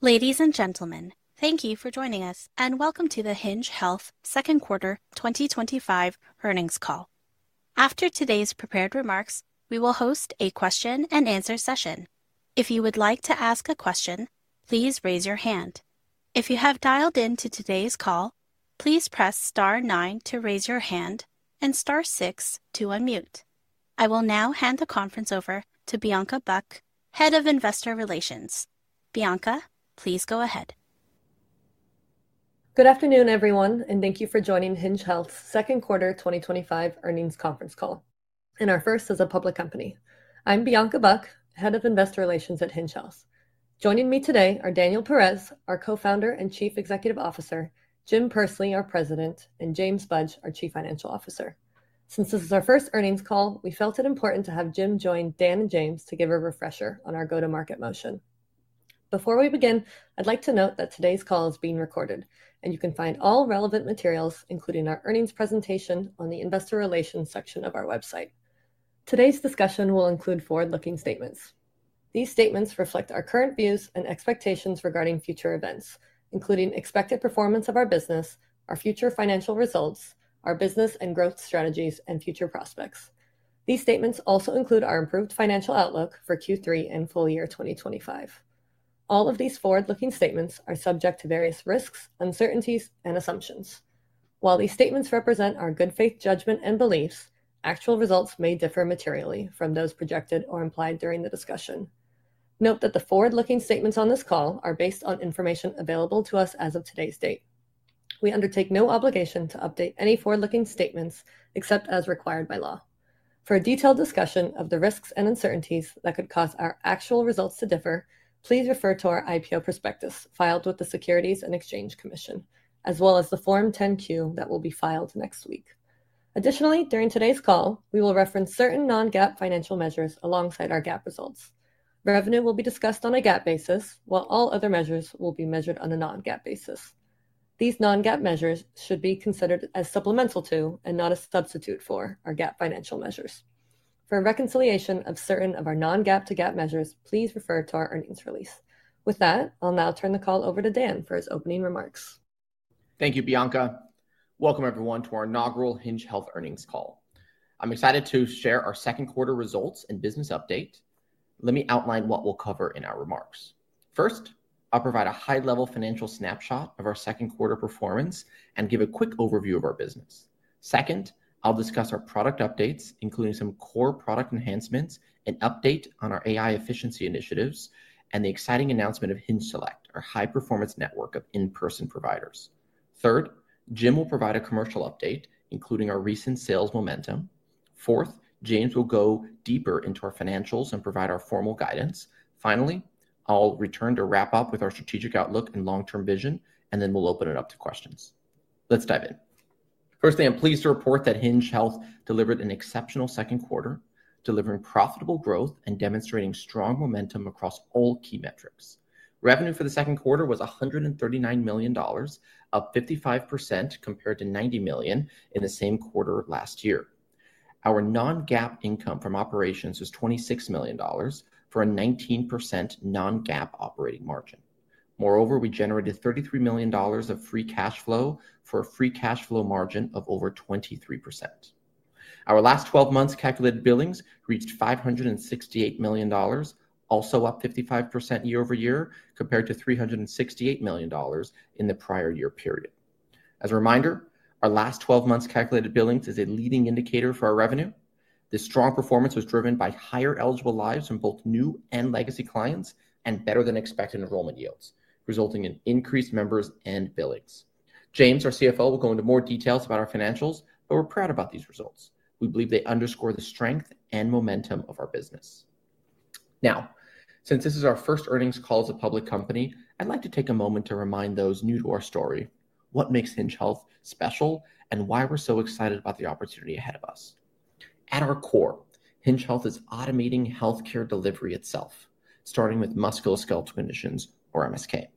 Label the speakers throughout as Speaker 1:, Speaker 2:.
Speaker 1: Ladies and gentlemen, thank you for joining us and welcome to the Hinge Health second quarter 2025 earnings call. After today's prepared remarks, we will host a question-and answer session. If you would like to ask a question, please raise your hand. If you have dialed in to today's call, please press star nine to raise your hand and star six to unmute. I will now hand the conference over to Bianca Buck, Head of Investor Relations. Bianca, please go ahead.
Speaker 2: Good afternoon, everyone, and thank you for joining Hinge Health's second quarter 2025 earnings conference call. This is our first as a public company. I'm Bianca Buck, Head of Investor Relations at Hinge Health. Joining me today are Daniel Perez, our Co-founder and Chief Executive Officer, Jim Pursley, our President, and James Budge, our Chief Financial Officer. Since this is our first earnings call, we felt it important to have Jim join Dan and James to give a refresher on our go-to-market motion. Before we begin, I'd like to note that today's call is being recorded, and you can find all relevant materials, including our earnings presentation, on the Investor Relations section of our website. Today's discussion will include forward-looking statements. These statements reflect our current views and expectations regarding future events, including expected performance of our business, our future financial results, our business and growth strategies, and future prospects. These statements also include our improved financial outlook for Q3 and full year 2025. All of these forward-looking statements are subject to various risks, uncertainties, and assumptions. While these statements represent our good faith judgment and beliefs, actual results may differ materially from those projected or implied during the discussion. Note that the forward-looking statements on this call are based on information available to us as of today's date. We undertake no obligation to update any forward-looking statements except as required by law. For a detailed discussion of the risks and uncertainties that could cause our actual results to differ, please refer to our IPO prospectus filed with the Securities and Exchange Commission, as well as the Form 10-Q that will be filed next week. Additionally, during today's call, we will reference certain non-GAAP financial measures alongside our GAAP results. Revenue will be discussed on a GAAP basis, while all other measures will be measured on a non-GAAP basis. These non-GAAP measures should be considered as supplemental to and not a substitute for our GAAP financial measures. For reconciliation of certain of our non-GAAP to GAAP measures, please refer to our earnings release. With that, I'll now turn the call over to Dan for his opening remarks.
Speaker 3: Thank you, Bianca. Welcome, everyone, to our inaugural Hinge Health earnings call. I'm excited to share our second quarter results and business update. Let me outline what we'll cover in our remarks. First, I'll provide a high-level financial snapshot of our second quarter performance and give a quick overview of our business. Second, I'll discuss our product updates, including some core product enhancements and an update on our AI efficiency initiatives and the exciting announcement of Hinge Select, our high-performance network of in-person providers. Third, Jim will provide a commercial update, including our recent sales momentum. Fourth, James will go deeper into our financials and provide our formal guidance. Finally, I'll return to wrap up with our strategic outlook and long-term vision, and then we'll open it up to questions. Let's dive in. First, I am pleased to report that Hinge Health delivered an exceptional second quarter, delivering profitable growth and demonstrating strong momentum across all key metrics. Revenue for the second quarter was $139 million, up 55% compared to $90 million in the same quarter last year. Our non-GAAP income from operations was $26 million for a 19% non-GAAP operating margin. Moreover, we generated $33 million of free cash flow for a free cash flow margin of over 23%. Our last 12 months' calculated billings reached $568 million, also up 55% year-over-year compared to $368 million in the prior year period. As a reminder, our last 12 months' calculated billings is a leading indicator for our revenue. This strong performance was driven by higher eligible lives from both new and legacy clients and better-than-expected enrollment yields, resulting in increased members and billings. James, our CFO, will go into more details about our financials, but we're proud about these results. We believe they underscore the strength and momentum of our business. Now, since this is our first earnings call as a public company, I'd like to take a moment to remind those new to our story what makes Hinge Health special and why we're so excited about the opportunity ahead of us. At our core, Hinge Health is automating healthcare delivery itself, starting with musculoskeletal conditions, or MSK.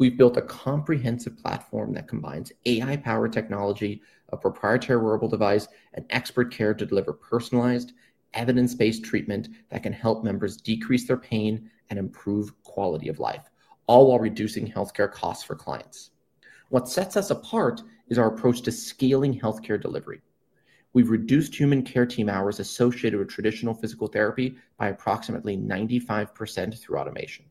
Speaker 3: We've built a comprehensive platform that combines AI-powered technology, a proprietary wearable device, and expert care to deliver personalized, evidence-based treatment that can help members decrease their pain and improve quality of life, all while reducing healthcare costs for clients. What sets us apart is our approach to scaling healthcare delivery. We've reduced human care team hours associated with traditional physical therapy by approximately 95% through automation,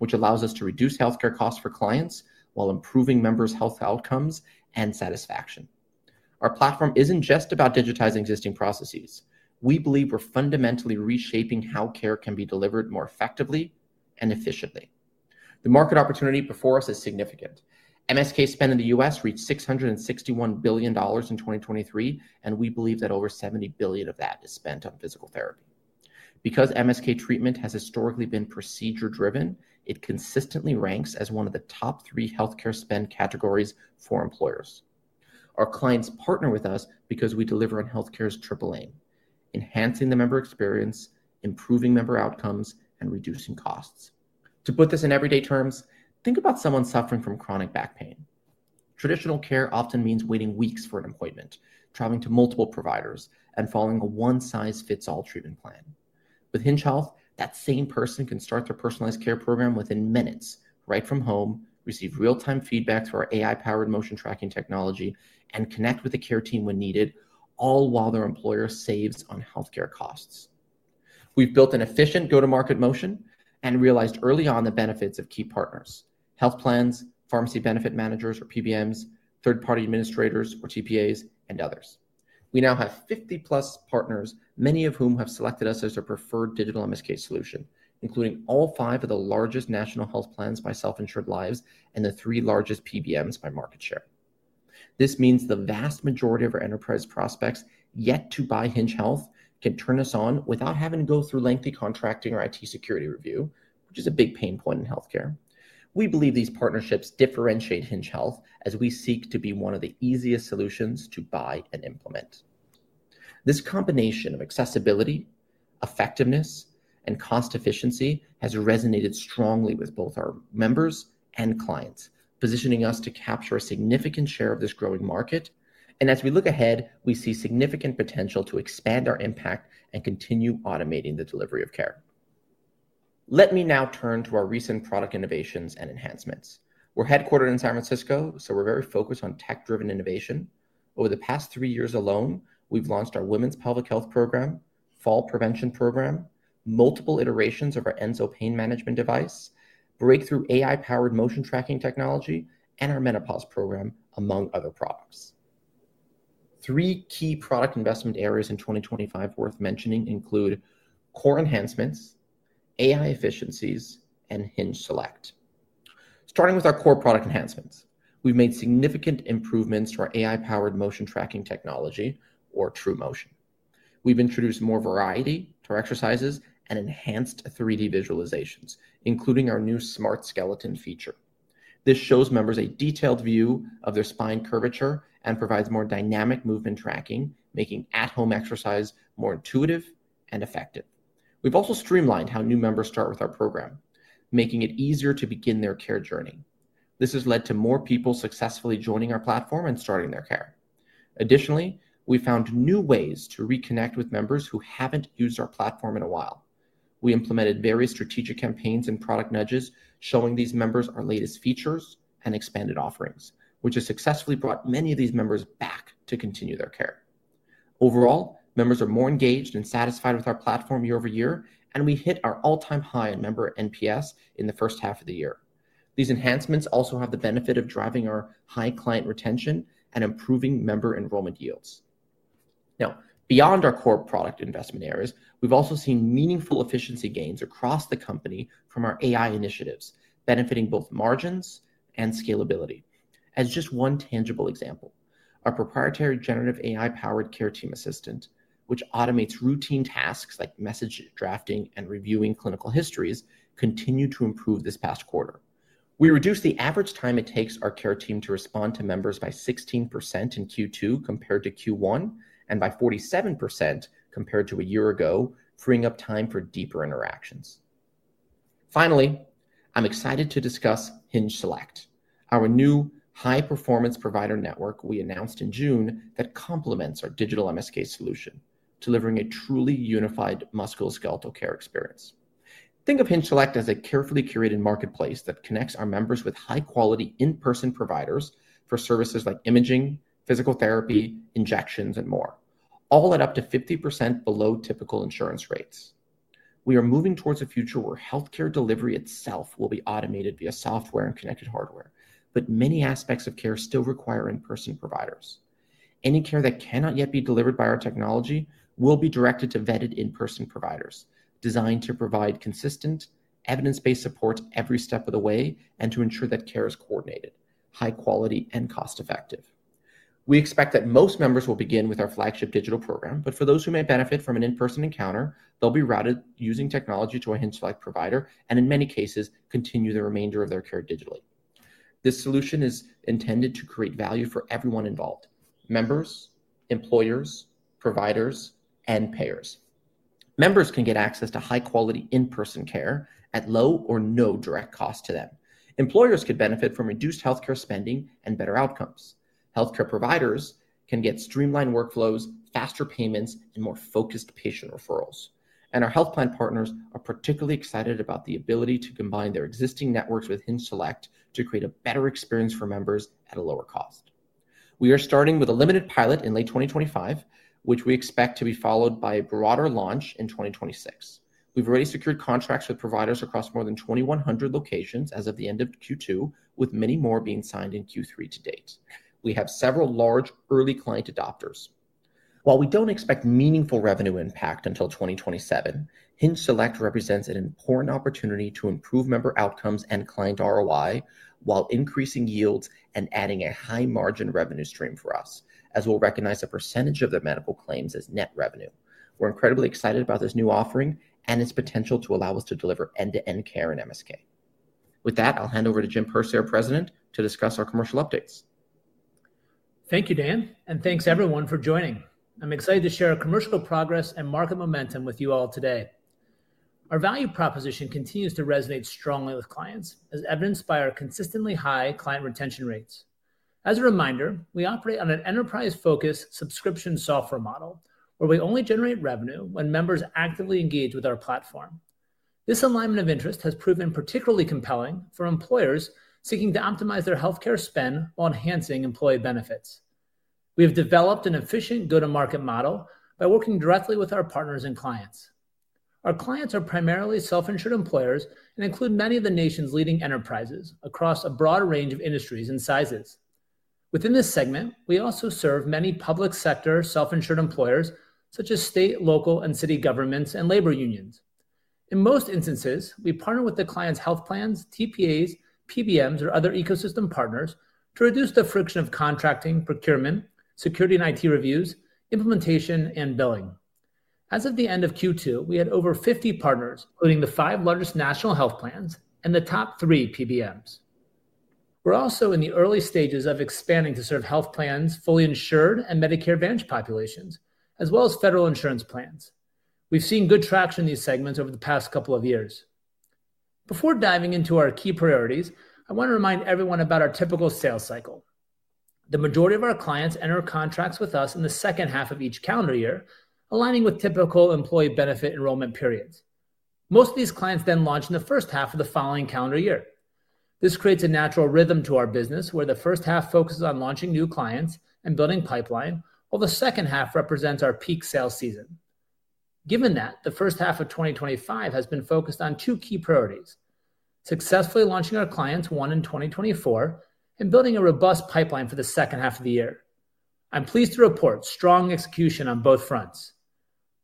Speaker 3: which allows us to reduce healthcare costs for clients while improving members' health outcomes and satisfaction. Our platform isn't just about digitizing existing processes. We believe we're fundamentally reshaping how care can be delivered more effectively and efficiently. The market opportunity before us is significant. MSK spend in the U.S. reached $661 billion in 2023, and we believe that over $70 billion of that is spent on physical therapy. Because MSK treatment has historically been procedure-driven, it consistently ranks as one of the top three healthcare spend categories for employers. Our clients partner with us because we deliver on healthcare's triple aim: enhancing the member experience, improving member outcomes, and reducing costs. To put this in everyday terms, think about someone suffering from chronic back pain. Traditional care often means waiting weeks for an appointment, traveling to multiple providers, and following a one-size-fits-all treatment plan. With Hinge Health, that same person can start their personalized care program within minutes, right from home, receive real-time feedback through our AI-powered motion tracking technology, and connect with the care team when needed, all while their employer saves on healthcare costs. We've built an efficient go-to-market motion and realized early on the benefits of key partners: health plans, pharmacy benefit managers, or PBMs, third-party administrators, or TPAs, and others. We now have 50 partners, many of whom have selected us as their preferred digital MSK solution, including all five of the largest national health plans by self-insured lives and the three largest PBMs by market share. This means the vast majority of our enterprise prospects yet to buy Hinge Health can turn us on without having to go through lengthy contracting or IT security review, which is a big pain point in healthcare. We believe these partnerships differentiate Hinge Health as we seek to be one of the easiest solutions to buy and implement. This combination of accessibility, effectiveness, and cost efficiency has resonated strongly with both our members and clients, positioning us to capture a significant share of this growing market. As we look ahead, we see significant potential to expand our impact and continue automating the delivery of care. Let me now turn to our recent product innovations and enhancements. We're headquartered in San Francisco, so we're very focused on tech-driven innovation. Over the past three years alone, we've launched our women's pelvic health program, fall prevention program, multiple iterations of our Enso pain management device, breakthrough AI-powered motion tracking technology, and our menopause program, among other products. Three key product investment areas in 2025 worth mentioning include core enhancements, AI efficiencies, and Hinge Select. Starting with our core product enhancements, we've made significant improvements to our AI-powered motion tracking technology, or TruMotion. We've introduced more variety to our exercises and enhanced 3D visualizations, including our new smart skeleton feature. This shows members a detailed view of their spine curvature and provides more dynamic movement tracking, making at-home exercise more intuitive and effective. We've also streamlined how new members start with our program, making it easier to begin their care journey. This has led to more people successfully joining our platform and starting their care. Additionally, we found new ways to reconnect with members who haven't used our platform in a while. We implemented various strategic campaigns and product nudges, showing these members our latest features and expanded offerings, which has successfully brought many of these members back to continue their care. Overall, members are more engaged and satisfied with our platform year-over year, and we hit our all-time high in member NPS in the first half of the year. These enhancements also have the benefit of driving our high client retention and improving member enrollment yields. Now, beyond our core product investment areas, we've also seen meaningful efficiency gains across the company from our AI initiatives, benefiting both margins and scalability. As just one tangible example, our proprietary generative AI-powered care team assistant, which automates routine tasks like message drafting and reviewing clinical histories, continued to improve this past quarter. We reduced the average time it takes our care team to respond to members by 16% in Q2 compared to Q1 and by 47% compared to a year ago, freeing up time for deeper interactions. Finally, I'm excited to discuss Hinge Select, our new high-performance provider network we announced in June that complements our digital MSK solution, delivering a truly unified musculoskeletal care experience. Think of Hinge Select as a carefully curated marketplace that connects our members with high-quality in-person providers for services like imaging, physical therapy, injections, and more, all at up to 50% below typical insurance rates. We are moving towards a future where healthcare delivery itself will be automated via software and connected hardware, but many aspects of care still require in-person providers. Any care that cannot yet be delivered by our technology will be directed to vetted in-person providers, designed to provide consistent, evidence-based support every step of the way and to ensure that care is coordinated, high quality, and cost-effective. We expect that most members will begin with our flagship digital program, but for those who may benefit from an in-person encounter, they'll be routed using technology to a Hinge Select provider and, in many cases, continue the remainder of their care digitally. This solution is intended to create value for everyone involved: members, employers, providers, and payers. Members can get access to high-quality in-person care at low or no direct cost to them. Employers could benefit from reduced healthcare spending and better outcomes. Healthcare providers can get streamlined workflows, faster payments, and more focused patient referrals. Our health plan partners are particularly excited about the ability to combine their existing networks with Hinge Select to create a better experience for members at a lower cost. We are starting with a limited pilot in late 2025, which we expect to be followed by a broader launch in 2026. We've already secured contracts with providers across more than 2,100 locations as of the end of Q2, with many more being signed in Q3 to date. We have several large early client adopters. While we don't expect meaningful revenue impact until 2027, Hinge Select represents an important opportunity to improve member outcomes and client ROI while increasing yields and adding a high margin revenue stream for us, as we'll recognize a percentage of their medical claims as net revenue. We're incredibly excited about this new offering and its potential to allow us to deliver end-to-end care in MSK. With that, I'll hand over to Jim Pursley, our President, to discuss our commercial updates.
Speaker 4: Thank you, Dan, and thanks everyone for joining. I'm excited to share our commercial progress and market momentum with you all today. Our value proposition continues to resonate strongly with clients, as evidenced by our consistently high client retention rates. As a reminder, we operate on an enterprise-focused subscription software model, where we only generate revenue when members actively engage with our platform. This alignment of interest has proven particularly compelling for employers seeking to optimize their healthcare spend while enhancing employee benefits. We have developed an efficient go-to-market model by working directly with our partners and clients. Our clients are primarily self-insured employers and include many of the nation's leading enterprises across a broad range of industries and sizes. Within this segment, we also serve many public sector self-insured employers, such as state, local, and city governments, and labor unions. In most instances, we partner with the client's health plans, TPAs, PBMs, or other ecosystem partners to reduce the friction of contracting, procurement, security, and IT reviews, implementation, and billing. As of the end of Q2, we had over 50 partners, including the five largest national health plans and the top three PBMs. We're also in the early stages of expanding to serve health plans, fully insured, and Medicare Advantage populations, as well as federal insurance plans. We've seen good traction in these segments over the past couple of years. Before diving into our key priorities, I want to remind everyone about our typical sales cycle. The majority of our clients enter contracts with us in the second half of each calendar year, aligning with typical employee benefit enrollment periods. Most of these clients then launch in the first half of the following calendar year. This creates a natural rhythm to our business, where the first half focuses on launching new clients and building a pipeline, while the second half represents our peak sales season. Given that, the first half of 2025 has been focused on two key priorities: successfully launching our clients won in 2024 and building a robust pipeline for the second half of the year. I'm pleased to report strong execution on both fronts.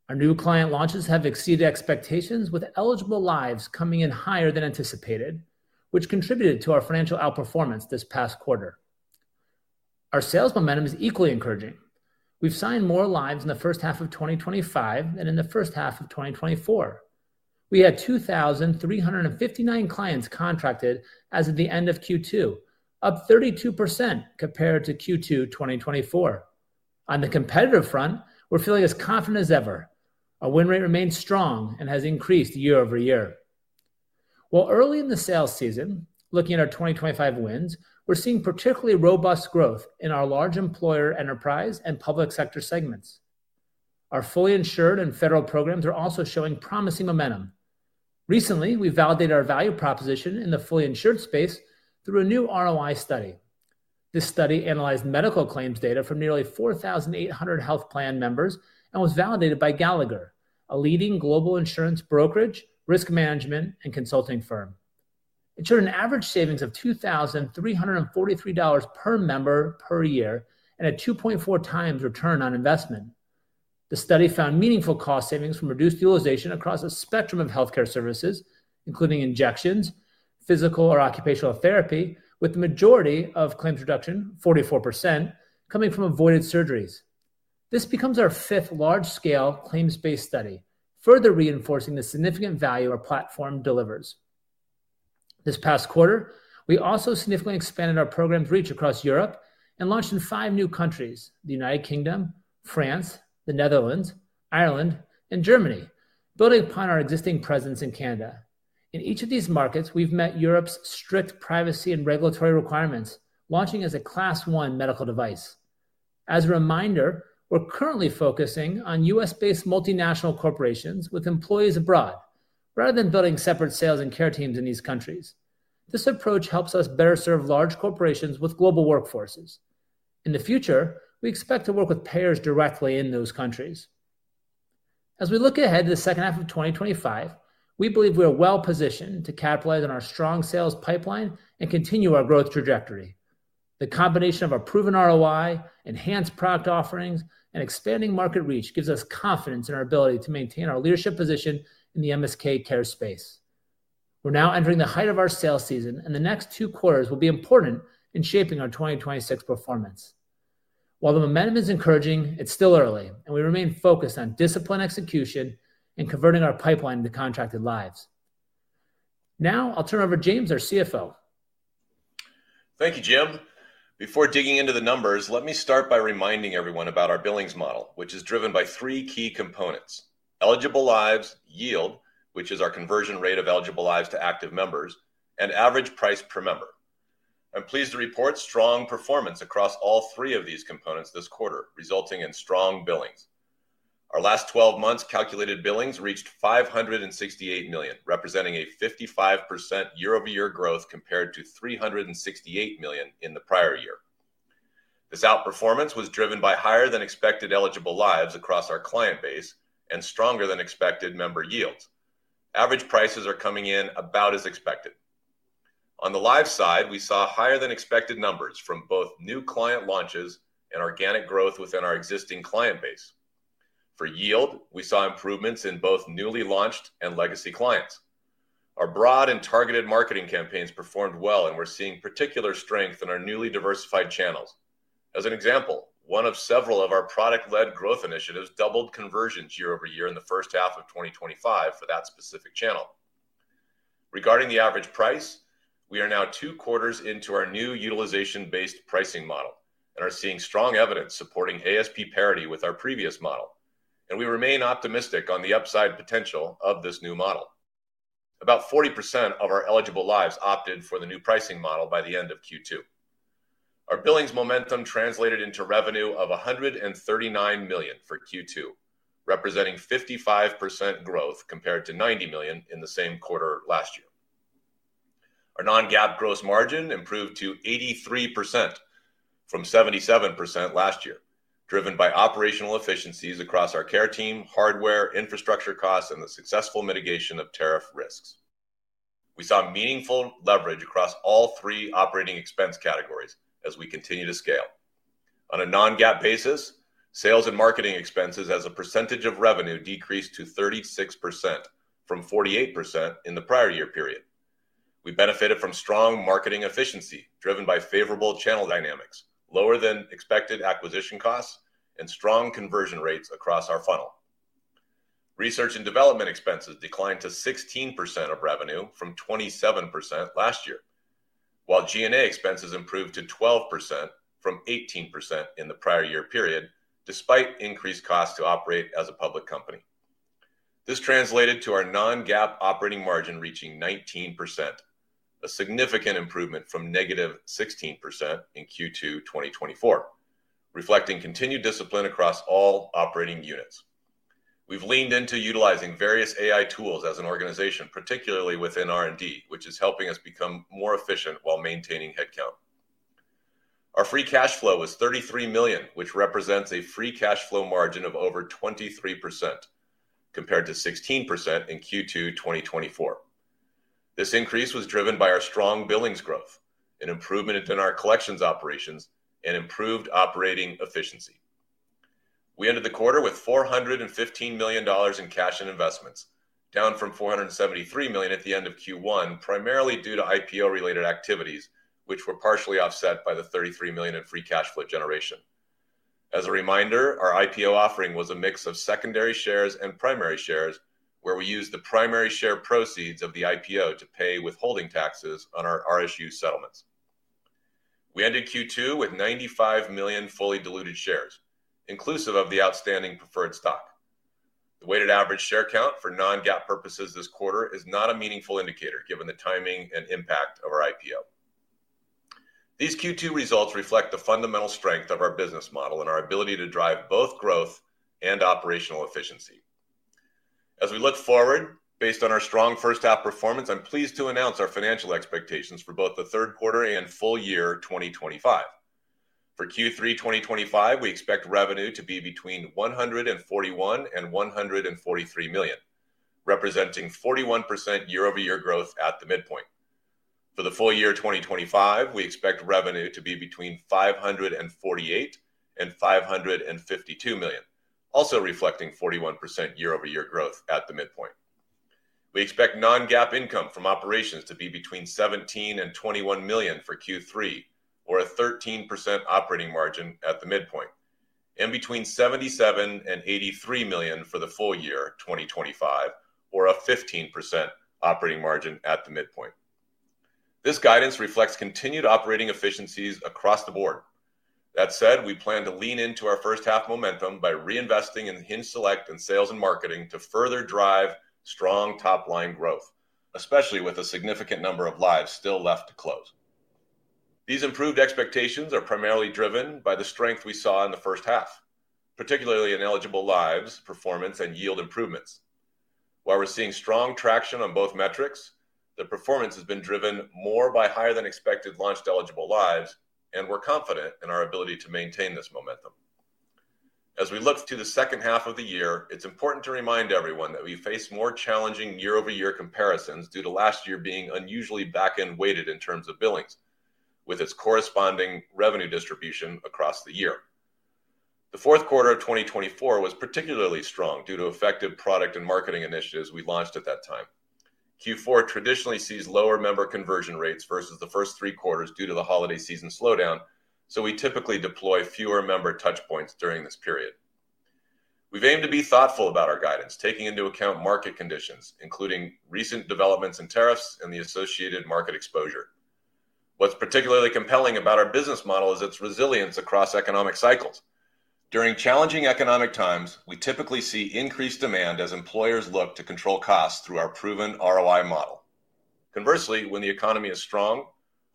Speaker 4: Our new client launches have exceeded expectations, with eligible lives coming in higher than anticipated, which contributed to our financial outperformance this past quarter. Our sales momentum is equally encouraging. We've signed more lives in the first half of 2025 than in the first half of 2024. We had 2,359 clients contracted as of the end of Q2, up 32% compared to Q2 2024. On the competitive front, we're feeling as confident as ever. Our win rate remains strong and has increased year-over-year. While early in the sales season, looking at our 2025 wins, we're seeing particularly robust growth in our large employer enterprise and public sector segments. Our fully insured and federal programs are also showing promising momentum. Recently, we validated our value proposition in the fully insured space through a new ROI study. This study analyzed medical claims data from nearly 4,800 health plan members and was validated by Gallagher, a leading global insurance brokerage, risk management, and consulting firm. It showed an average savings of $2,343 per member per year and a 2.4x return on investment. The study found meaningful cost savings from reduced utilization across a spectrum of healthcare services, including injections, physical, or occupational therapy, with the majority of claims reduction, 44%, coming from avoided surgeries. This becomes our fifth large-scale claims-based study, further reinforcing the significant value our platform delivers. This past quarter, we also significantly expanded our program's reach across Europe and launched in five new countries: the United Kingdom, France, the Netherlands, Ireland, and Germany, building upon our existing presence in Canada. In each of these markets, we've met Europe's strict privacy and regulatory requirements, launching as a Class 1 medical device. As a reminder, we're currently focusing on U.S.-based multinational corporations with employees abroad, rather than building separate sales and care teams in these countries. This approach helps us better serve large corporations with global workforces. In the future, we expect to work with payers directly in those countries. As we look ahead to the second half of 2025, we believe we are well positioned to capitalize on our strong sales pipeline and continue our growth trajectory. The combination of our proven ROI, enhanced product offerings, and expanding market reach gives us confidence in our ability to maintain our leadership position in the MSK care space. We're now entering the height of our sales season, and the next two quarters will be important in shaping our 2026 performance. While the momentum is encouraging, it's still early, and we remain focused on disciplined execution and converting our pipeline into contracted lives. Now, I'll turn it over to James, our CFO.
Speaker 5: Thank you, Jim. Before digging into the numbers, let me start by reminding everyone about our billings model, which is driven by three key components: eligible lives, yield, which is our conversion rate of eligible lives to active members, and average price per member. I'm pleased to report strong performance across all three of these components this quarter, resulting in strong billings. Our last 12 months' calculated billings reached $568 million, representing a 55% year-over-year growth compared to $368 million in the prior year. This outperformance was driven by higher-than-expected eligible lives across our client base and stronger-than-expected member yields. Average prices are coming in about as expected. On the live side, we saw higher-than-expected numbers from both new client launches and organic growth within our existing client base. For yield, we saw improvements in both newly launched and legacy clients. Our broad and targeted marketing campaigns performed well, and we're seeing particular strength in our newly diversified channels. As an example, one of several of our product-led growth initiatives doubled conversions year-over-year in the first half of 2025 for that specific channel. Regarding the average price, we are now two quarters into our new utilization-based pricing model and are seeing strong evidence supporting ASP parity with our previous model. We remain optimistic on the upside potential of this new model. About 40% of our eligible lives opted for the new pricing model by the end of Q2. Our billings momentum translated into revenue of $139 million for Q2, representing 55% growth compared to $90 million in the same quarter last year. Our non-GAAP gross margin improved to 83% from 77% last year, driven by operational efficiencies across our care team, hardware, infrastructure costs, and the successful mitigation of tariff risks. We saw meaningful leverage across all three operating expense categories as we continue to scale. On a non-GAAP basis, sales and marketing expenses as a percentage of revenue decreased to 36% from 48% in the prior year period. We benefited from strong marketing efficiency, driven by favorable channel dynamics, lower-than-expected acquisition costs, and strong conversion rates across our funnel. Research and development expenses declined to 16% of revenue from 27% last year, while G&A expenses improved to 12% from 18% in the prior year period, despite increased costs to operate as a public company. This translated to our non-GAAP operating margin reaching 19%, a significant improvement from -16% in Q2 2024, reflecting continued discipline across all operating units. We've leaned into utilizing various AI tools as an organization, particularly within R&D, which is helping us become more efficient while maintaining headcount. Our free cash flow was $33 million, which represents a free cash flow margin of over 23% compared to 16% in Q2 2024. This increase was driven by our strong billings growth, an improvement in our collections operations, and improved operating efficiency. We ended the quarter with $415 million in cash and investments, down from $473 million at the end of Q1, primarily due to IPO-related activities, which were partially offset by the $33 million in free cash flow generation. As a reminder, our IPO offering was a mix of secondary shares and primary shares, where we used the primary share proceeds of the IPO to pay withholding taxes on our RSU settlements. We ended Q2 with 95 million fully diluted shares, inclusive of the outstanding preferred stock. The weighted average share count for non-GAAP purposes this quarter is not a meaningful indicator, given the timing and impact of our IPO. These Q2 results reflect the fundamental strength of our business model and our ability to drive both growth and operational efficiency. As we look forward, based on our strong first half performance, I'm pleased to announce our financial expectations for both the third quarter and full year 2025. For Q3 2025, we expect revenue to be between $141 million and $143 million, representing 41% year-over-year growth at the midpoint. For the full year 2025, we expect revenue to be between $548 million and $552 million, also reflecting 41% year-over-year growth at the midpoint. We expect non-GAAP income from operations to be between $17 million and $21 million for Q3, or a 13% operating margin at the midpoint, and between $77 million and $83 million for the full year 2025, or a 15% operating margin at the midpoint. This guidance reflects continued operating efficiencies across the board. That said, we plan to lean into our first half momentum by reinvesting in Hinge Select and sales and marketing to further drive strong top-line growth, especially with a significant number of lives still left to close. These improved expectations are primarily driven by the strength we saw in the first half, particularly in eligible lives, performance, and yield improvements. While we're seeing strong traction on both metrics, the performance has been driven more by higher-than-expected launched eligible lives, and we're confident in our ability to maintain this momentum. As we look to the second half of the year, it's important to remind everyone that we face more challenging year-over-year comparisons due to last year being unusually back-end weighted in terms of billings, with its corresponding revenue distribution across the year. The fourth quarter of 2024 was particularly strong due to effective product and marketing initiatives we launched at that time. Q4 traditionally sees lower member conversion rates versus the first three quarters due to the holiday season slowdown, so we typically deploy fewer member touchpoints during this period. We've aimed to be thoughtful about our guidance, taking into account market conditions, including recent developments in tariffs and the associated market exposure. What's particularly compelling about our business model is its resilience across economic cycles. During challenging economic times, we typically see increased demand as employers look to control costs through our proven ROI model. Conversely, when the economy is strong,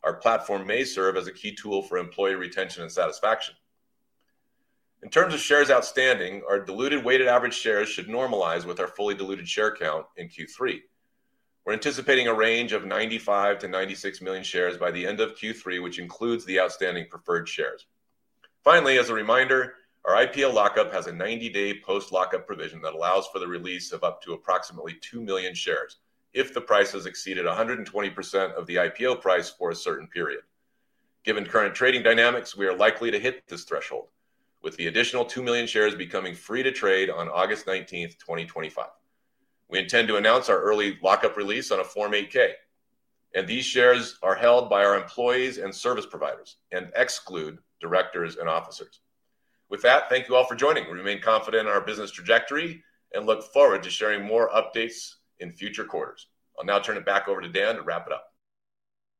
Speaker 5: our platform may serve as a key tool for employee retention and satisfaction. In terms of shares outstanding, our diluted weighted average shares should normalize with our fully diluted share count in Q3. We're anticipating a range of 95 million-96 million shares by the end of Q3, which includes the outstanding preferred shares. Finally, as a reminder, our IPO lockup has a 90-day post-lockup provision that allows for the release of up to approximately 2 million shares if the price has exceeded 120% of the IPO price for a certain period. Given current trading dynamics, we are likely to hit this threshold, with the additional 2 million shares becoming free to trade on August 19, 2025. We intend to announce our early lockup release on a Form 8-K, and these shares are held by our employees and service providers and exclude directors and officers. With that, thank you all for joining. We remain confident in our business trajectory and look forward to sharing more updates in future quarters. I'll now turn it back over to Dan to wrap it up.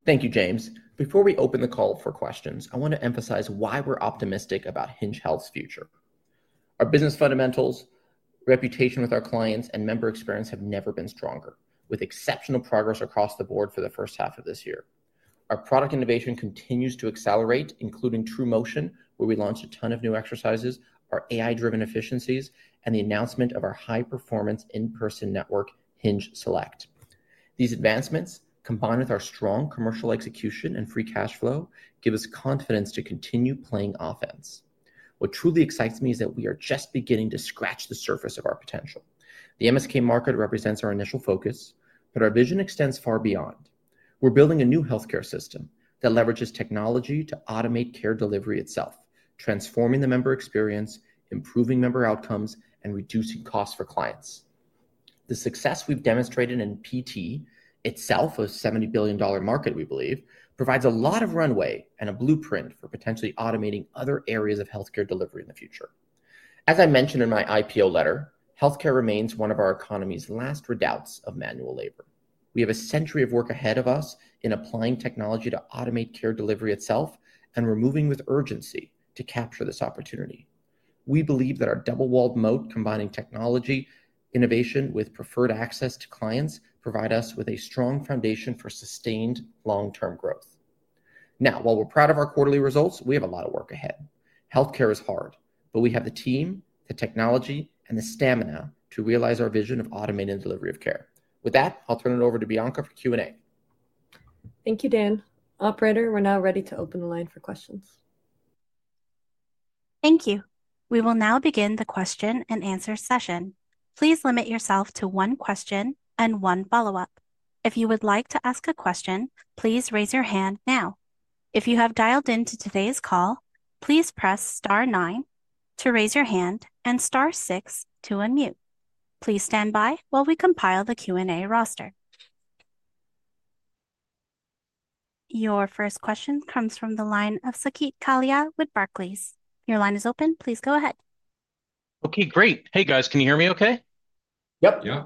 Speaker 3: Thank you, James. Before we open the call for questions, I want to emphasize why we're optimistic about Hinge Health's future. Our business fundamentals, reputation with our clients, and member experience have never been stronger, with exceptional progress across the board for the first half of this year. Our product innovation continues to accelerate, including TruMotion, where we launched a ton of new exercises, our AI-driven efficiencies, and the announcement of our high-performance in-person network, Hinge Select. These advancements, combined with our strong commercial execution and free cash flow, give us confidence to continue playing offense. What truly excites me is that we are just beginning to scratch the surface of our potential. The MSK market represents our initial focus, but our vision extends far beyond. We're building a new healthcare system that leverages technology to automate care delivery itself, transforming the member experience, improving member outcomes, and reducing costs for clients. The success we've demonstrated in PT, itself a $70 billion market we believe, provides a lot of runway and a blueprint for potentially automating other areas of healthcare delivery in the future. As I mentioned in my IPO letter, healthcare remains one of our economy's last redoubts of manual labor. We have a century of work ahead of us in applying technology to automate care delivery itself and we're moving with urgency to capture this opportunity. We believe that our double-walled moat, combining technology, innovation, with preferred access to clients, provides us with a strong foundation for sustained long-term growth. Now, while we're proud of our quarterly results, we have a lot of work ahead. Healthcare is hard, but we have the team, the technology, and the stamina to realize our vision of automating the delivery of care. With that, I'll turn it over to Bianca for Q&A.
Speaker 2: Thank you, Dan. Operator, we're now ready to open the line for questions.
Speaker 1: Thank you. We will now begin the question-and-answer session. Please limit yourself to one question and one follow-up. If you would like to ask a question, please raise your hand now. If you have dialed in to today's call, please press star nine to raise your hand and star six to unmute. Please stand by while we compile the Q&A roster. Your first question comes from the line of Saket Kalia with Barclays. Your line is open. Please go ahead.
Speaker 6: Okay, great. Hey, guys, can you hear me okay?
Speaker 3: Yep. Yeah.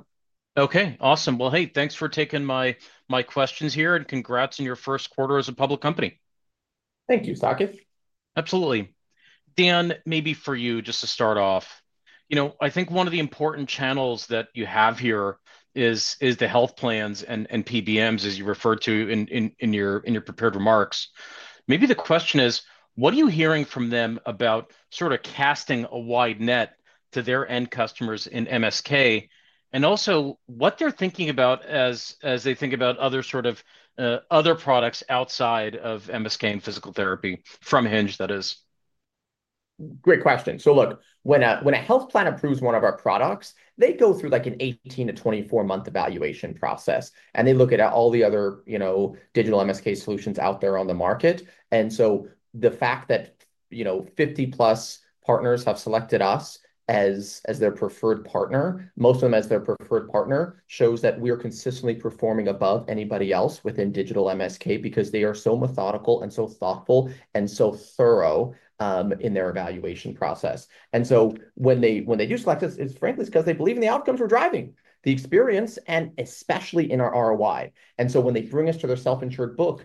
Speaker 6: Okay, awesome. Hey, thanks for taking my questions here and congrats on your first quarter as a public company.
Speaker 3: Thank you, Saket.
Speaker 6: Absolutely. Dan, maybe for you, just to start off, I think one of the important channels that you have here is the health plans and PBMs, as you referred to in your prepared remarks. Maybe the question is, what are you hearing from them about sort of casting a wide net to their end customers in MSK and also what they're thinking about as they think about other products outside of MSK and physical therapy from Hinge Health, that is?
Speaker 3: Great question. Look, when a health plan approves one of our products, they go through an 18-24-month evaluation process and they look at all the other digital MSK solutions out there on the market. The fact that 50+ partners have selected us as their preferred partner, most of them as their preferred partner, shows that we are consistently performing above anybody else within digital MSK because they are so methodical, so thoughtful, and so thorough in their evaluation process. When they do select us, it's frankly because they believe in the outcomes we're driving, the experience, and especially in our ROI. When they bring us to their self-insured book,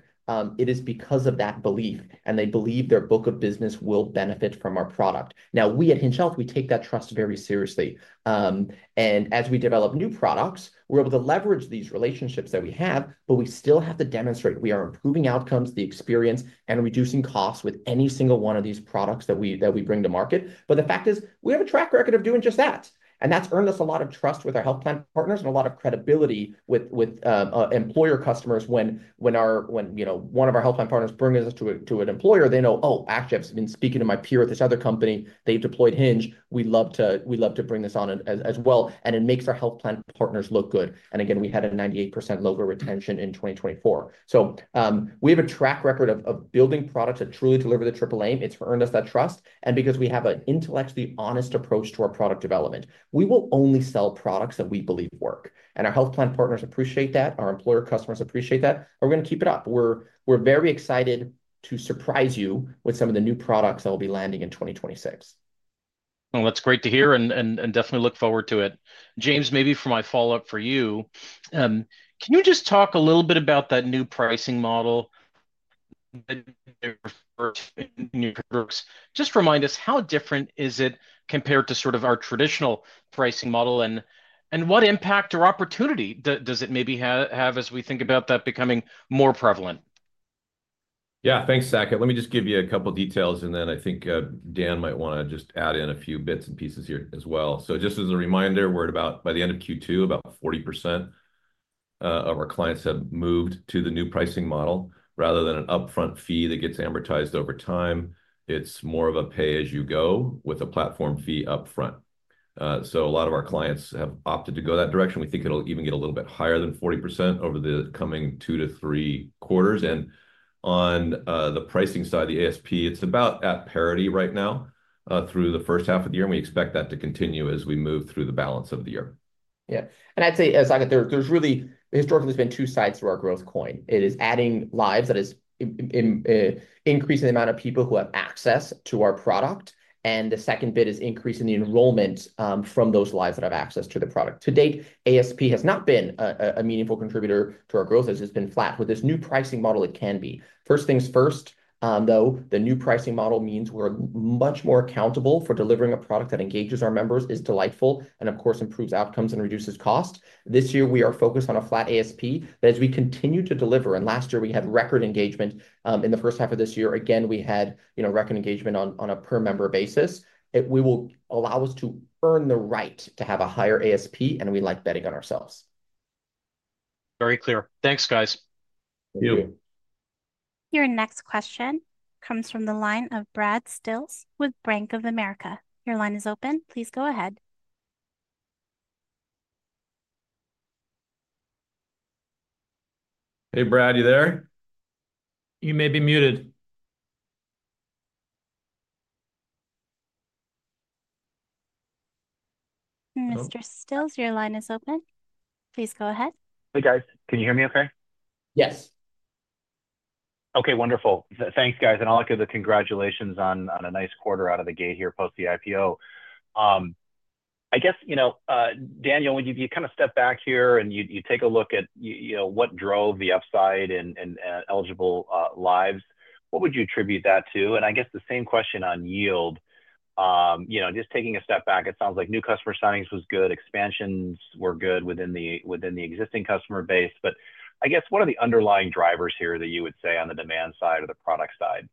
Speaker 3: it is because of that belief and they believe their book of business will benefit from our product. We at Hinge Health take that trust very seriously. As we develop new products, we're able to leverage these relationships that we have, but we still have to demonstrate we are improving outcomes, the experience, and reducing costs with any single one of these products that we bring to market. The fact is, we have a track record of doing just that. That's earned us a lot of trust with our health plan partners and a lot of credibility with employer customers. When one of our health plan partners brings us to an employer, they know, oh, Active has been speaking to my peer at this other company. They've deployed Hinge. We love to bring this on as well, and it makes our health plan partners look good. We had a 98% logo retention in 2024. We have a track record of building products that truly deliver the triple A. It's earned us that trust. Because we have an intellectually honest approach to our product development, we will only sell products that we believe work. Our health plan partners appreciate that. Our employer customers appreciate that. We're going to keep it up. We're very excited to surprise you with some of the new products that will be landing in 2026.
Speaker 6: That's great to hear and definitely look forward to it. James, maybe for my follow-up for you, can you just talk a little bit about that new pricing model? Just remind us, how different is it compared to sort of our traditional pricing model and what impact or opportunity does it maybe have as we think about that becoming more prevalent?
Speaker 5: Yeah, thanks, Saket. Let me just give you a couple of details, and then I think Dan might want to just add in a few bits and pieces here as well. Just as a reminder, we're about, by the end of Q2, about 40% of our clients have moved to the new pricing model. Rather than an upfront fee that gets amortized over time, it's more of a pay-as-you-go with a platform fee upfront. A lot of our clients have opted to go that direction. We think it'll even get a little bit higher than 40% over the coming two to three quarters. On the pricing side, the ASP, it's about at parity right now through the first half of the year, and we expect that to continue as we move through the balance of the year.
Speaker 3: Yeah, and I'd say, Saket, historically, it's been two sides to our growth coin. It is adding lives, that is, increasing the amount of people who have access to our product, and the second bit is increasing the enrollment from those lives that have access to the product. To date, ASP has not been a meaningful contributor to our growth, it's just been flat. With this new pricing model, it can be. First things first, though, the new pricing model means we're much more accountable for delivering a product that engages our members, is delightful, and of course improves outcomes and reduces cost. This year, we are focused on a flat ASP, but as we continue to deliver, and last year we had record engagement. In the first half of this year, again, we had record engagement on a per-member basis. It will allow us to earn the right to have a higher ASP, and we like betting on ourselves.
Speaker 6: Very clear. Thanks, guys.
Speaker 5: Thank you.
Speaker 1: Your next question comes from the line of Brad Sills with Bank of America. Your line is open. Please go ahead.
Speaker 5: Hey, Brad, you there? You may be muted.
Speaker 1: Mr. Sills, your line is open. Please go ahead.
Speaker 7: Hey, guys, can you hear me okay?
Speaker 3: Yes.
Speaker 7: Okay, wonderful. Thanks, guys, all good. Congratulations on a nice quarter out of the gate here post the IPO. I guess, you know, Daniel, when you kind of step back here and you take a look at what drove the upside in eligible lives, what would you attribute that to? I guess the same question on yield. You know, just taking a step back, it sounds like new customer signings was good. Expansions were good within the existing customer base. I guess what are the underlying drivers here that you would say on the demand side or the product side?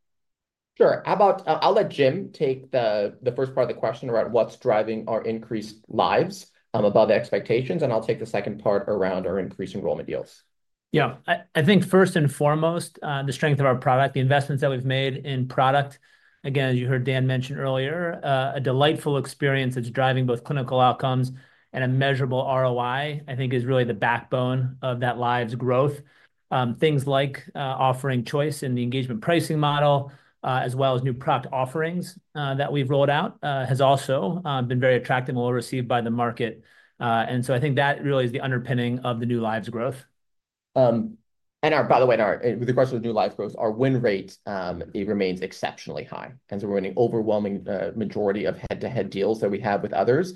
Speaker 3: Sure. How about I'll let Jim take the first part of the question about what's driving our increased lives above expectations, and I'll take the second part around our increased enrollment deals.
Speaker 4: Yeah, I think first and foremost, the strength of our product, the investments that we've made in product. Again, as you heard Dan mention earlier, a delightful experience that's driving both clinical outcomes and a measurable ROI, I think, is really the backbone of that lives growth. Things like offering choice in the engagement pricing model, as well as new product offerings that we've rolled out, have also been very attractive and well received by the market. I think that really is the underpinning of the new lives growth.
Speaker 3: By the way, in regards to the new lives growth, our win rate remains exceptionally high. We are in an overwhelming majority of head-to-head deals that we have with others.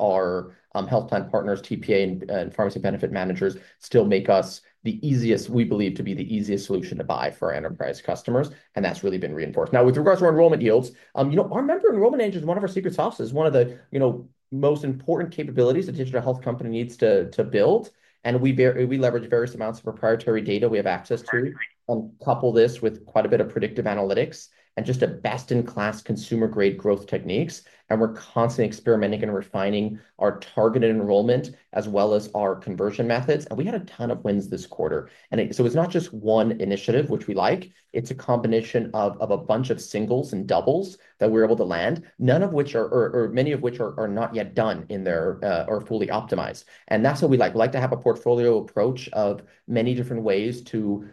Speaker 3: Our health plan partners, TPA, and pharmacy benefit managers still make us the easiest, we believe, to be the easiest solution to buy for our enterprise customers. That has really been reinforced. Now, with regards to our enrollment yields, our member enrollment engine is one of our secret sauces, one of the most important capabilities that the digital health company needs to build. We leverage various amounts of proprietary data we have access to and couple this with quite a bit of predictive analytics and just best-in-class consumer-grade growth techniques. We are constantly experimenting and refining our targeted enrollment as well as our conversion methods. We had a ton of wins this quarter. It is not just one initiative, which we like. It is a combination of a bunch of singles and doubles that we are able to land, many of which are not yet done or fully optimized. That is what we like. We like to have a portfolio approach of many different ways to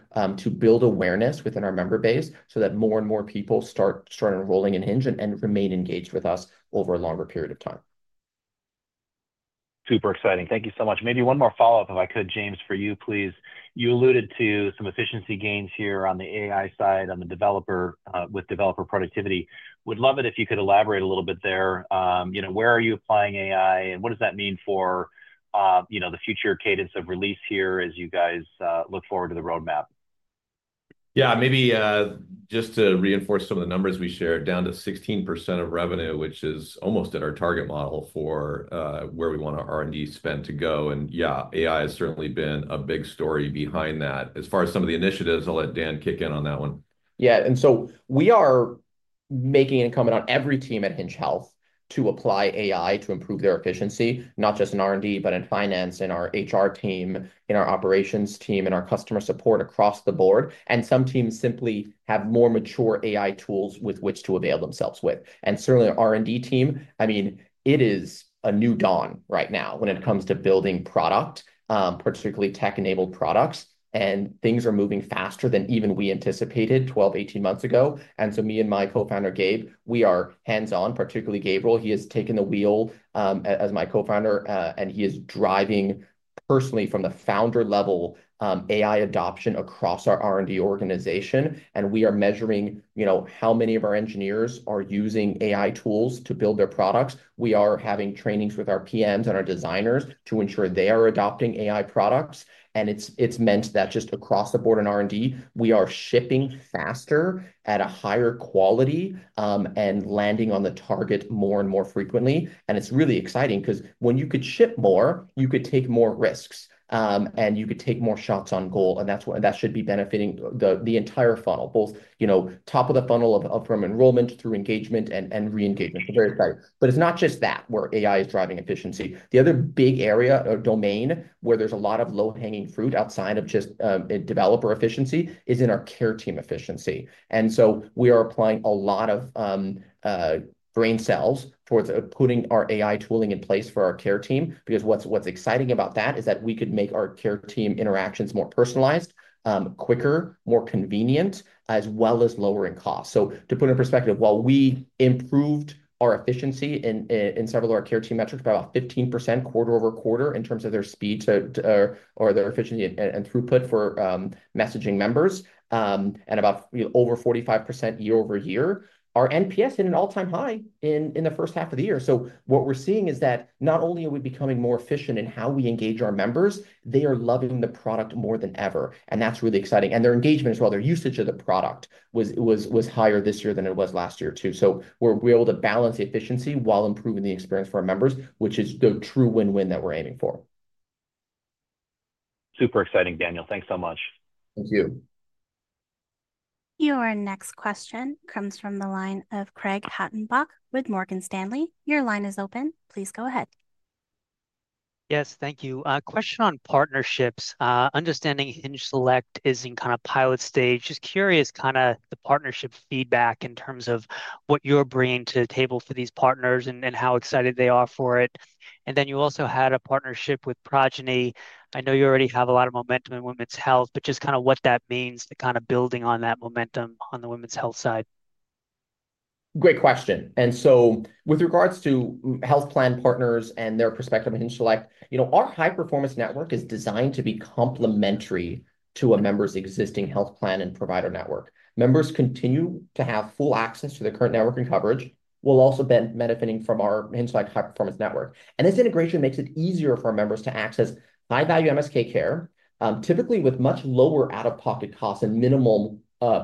Speaker 3: build awareness within our member base so that more and more people start enrolling in Hinge Health and remain engaged with us over a longer period of time.
Speaker 7: Super exciting. Thank you so much. Maybe one more follow-up, if I could, James, for you, please. You alluded to some efficiency gains here on the AI side with developer productivity. Would love it if you could elaborate a little bit there. Where are you applying AI and what does that mean for the future cadence of release here as you look forward to the roadmap?
Speaker 5: Maybe just to reinforce some of the numbers we shared, down to 16% of revenue, which is almost at our target model for where we want our R&D spend to go. AI has certainly been a big story behind that. As far as some of the initiatives, I'll let Dan kick in on that one.
Speaker 3: Yeah, we are making it incumbent on every team at Hinge Health to apply AI to improve their efficiency, not just in R&D, but in Finance, in our HR team, in our Operations team, in our Customer Support across the board. Some teams simply have more mature AI tools with which to avail themselves. Certainly our R&D team, I mean, it is a new dawn right now when it comes to building product, particularly tech-enabled products. Things are moving faster than even we anticipated 12-18 months ago. Me and my co-founder, Gabe, we are hands-on, particularly Gabriel. He has taken the wheel as my co-founder, and he is driving personally from the founder level AI adoption across our R&D organization. We are measuring how many of our engineers are using AI tools to build their products. We are having trainings with our PMs and our designers to ensure they are adopting AI products. It's meant that just across the board in R&D, we are shipping faster at a higher quality and landing on the target more and more frequently. It's really exciting because when you can ship more, you can take more risks and you can take more shots on goal. That should be benefiting the entire funnel, both top of the funnel of upfront enrollment through engagement and re-engagement. It's very exciting. It's not just that where AI is driving efficiency. The other big area or domain where there's a lot of low-hanging fruit outside of just developer efficiency is in our care team efficiency. We are applying a lot of brain cells towards putting our AI tooling in place for our care team. What's exciting about that is that we could make our care team interactions more personalized, quicker, more convenient, as well as lower in cost. To put it in perspective, while we improved our efficiency in several of our care team metrics by about 15% quarter-over-quarter in terms of their speed or their efficiency and throughput for messaging members, and about over 45% year-over-year, our NPS hit an all-time high in the first half of the year. What we're seeing is that not only are we becoming more efficient in how we engage our members, they are loving the product more than ever. That's really exciting. Their engagement as well, their usage of the product was higher this year than it was last year too. We're able to balance the efficiency while improving the experience for our members, which is the true win-win that we're aiming for.
Speaker 7: Super exciting, Daniel. Thanks so much. Thank you.
Speaker 1: Your next question comes from the line of Craig Hettenbach with Morgan Stanley. Your line is open. Please go ahead.
Speaker 8: Yes, thank you. Question on partnerships. Understanding Hinge Select is in kind of pilot stage. Just curious, kind of the partnership feedback in terms of what you're bringing to the table for these partners and how excited they are for it. You also had a partnership with Progeny. I know you already have a lot of momentum in women's health, but just kind of what that means, the kind of building on that momentum on the women's health side.
Speaker 3: Great question. With regards to health plan partners and their perspective on Hinge Select, our high-performance network is designed to be complementary to a member's existing health plan and provider network. Members continue to have full access to their current network and coverage, while also benefiting from our Hinge Select high-performance network. This integration makes it easier for our members to access high-value MSK care, typically with much lower out-of-pocket costs and minimal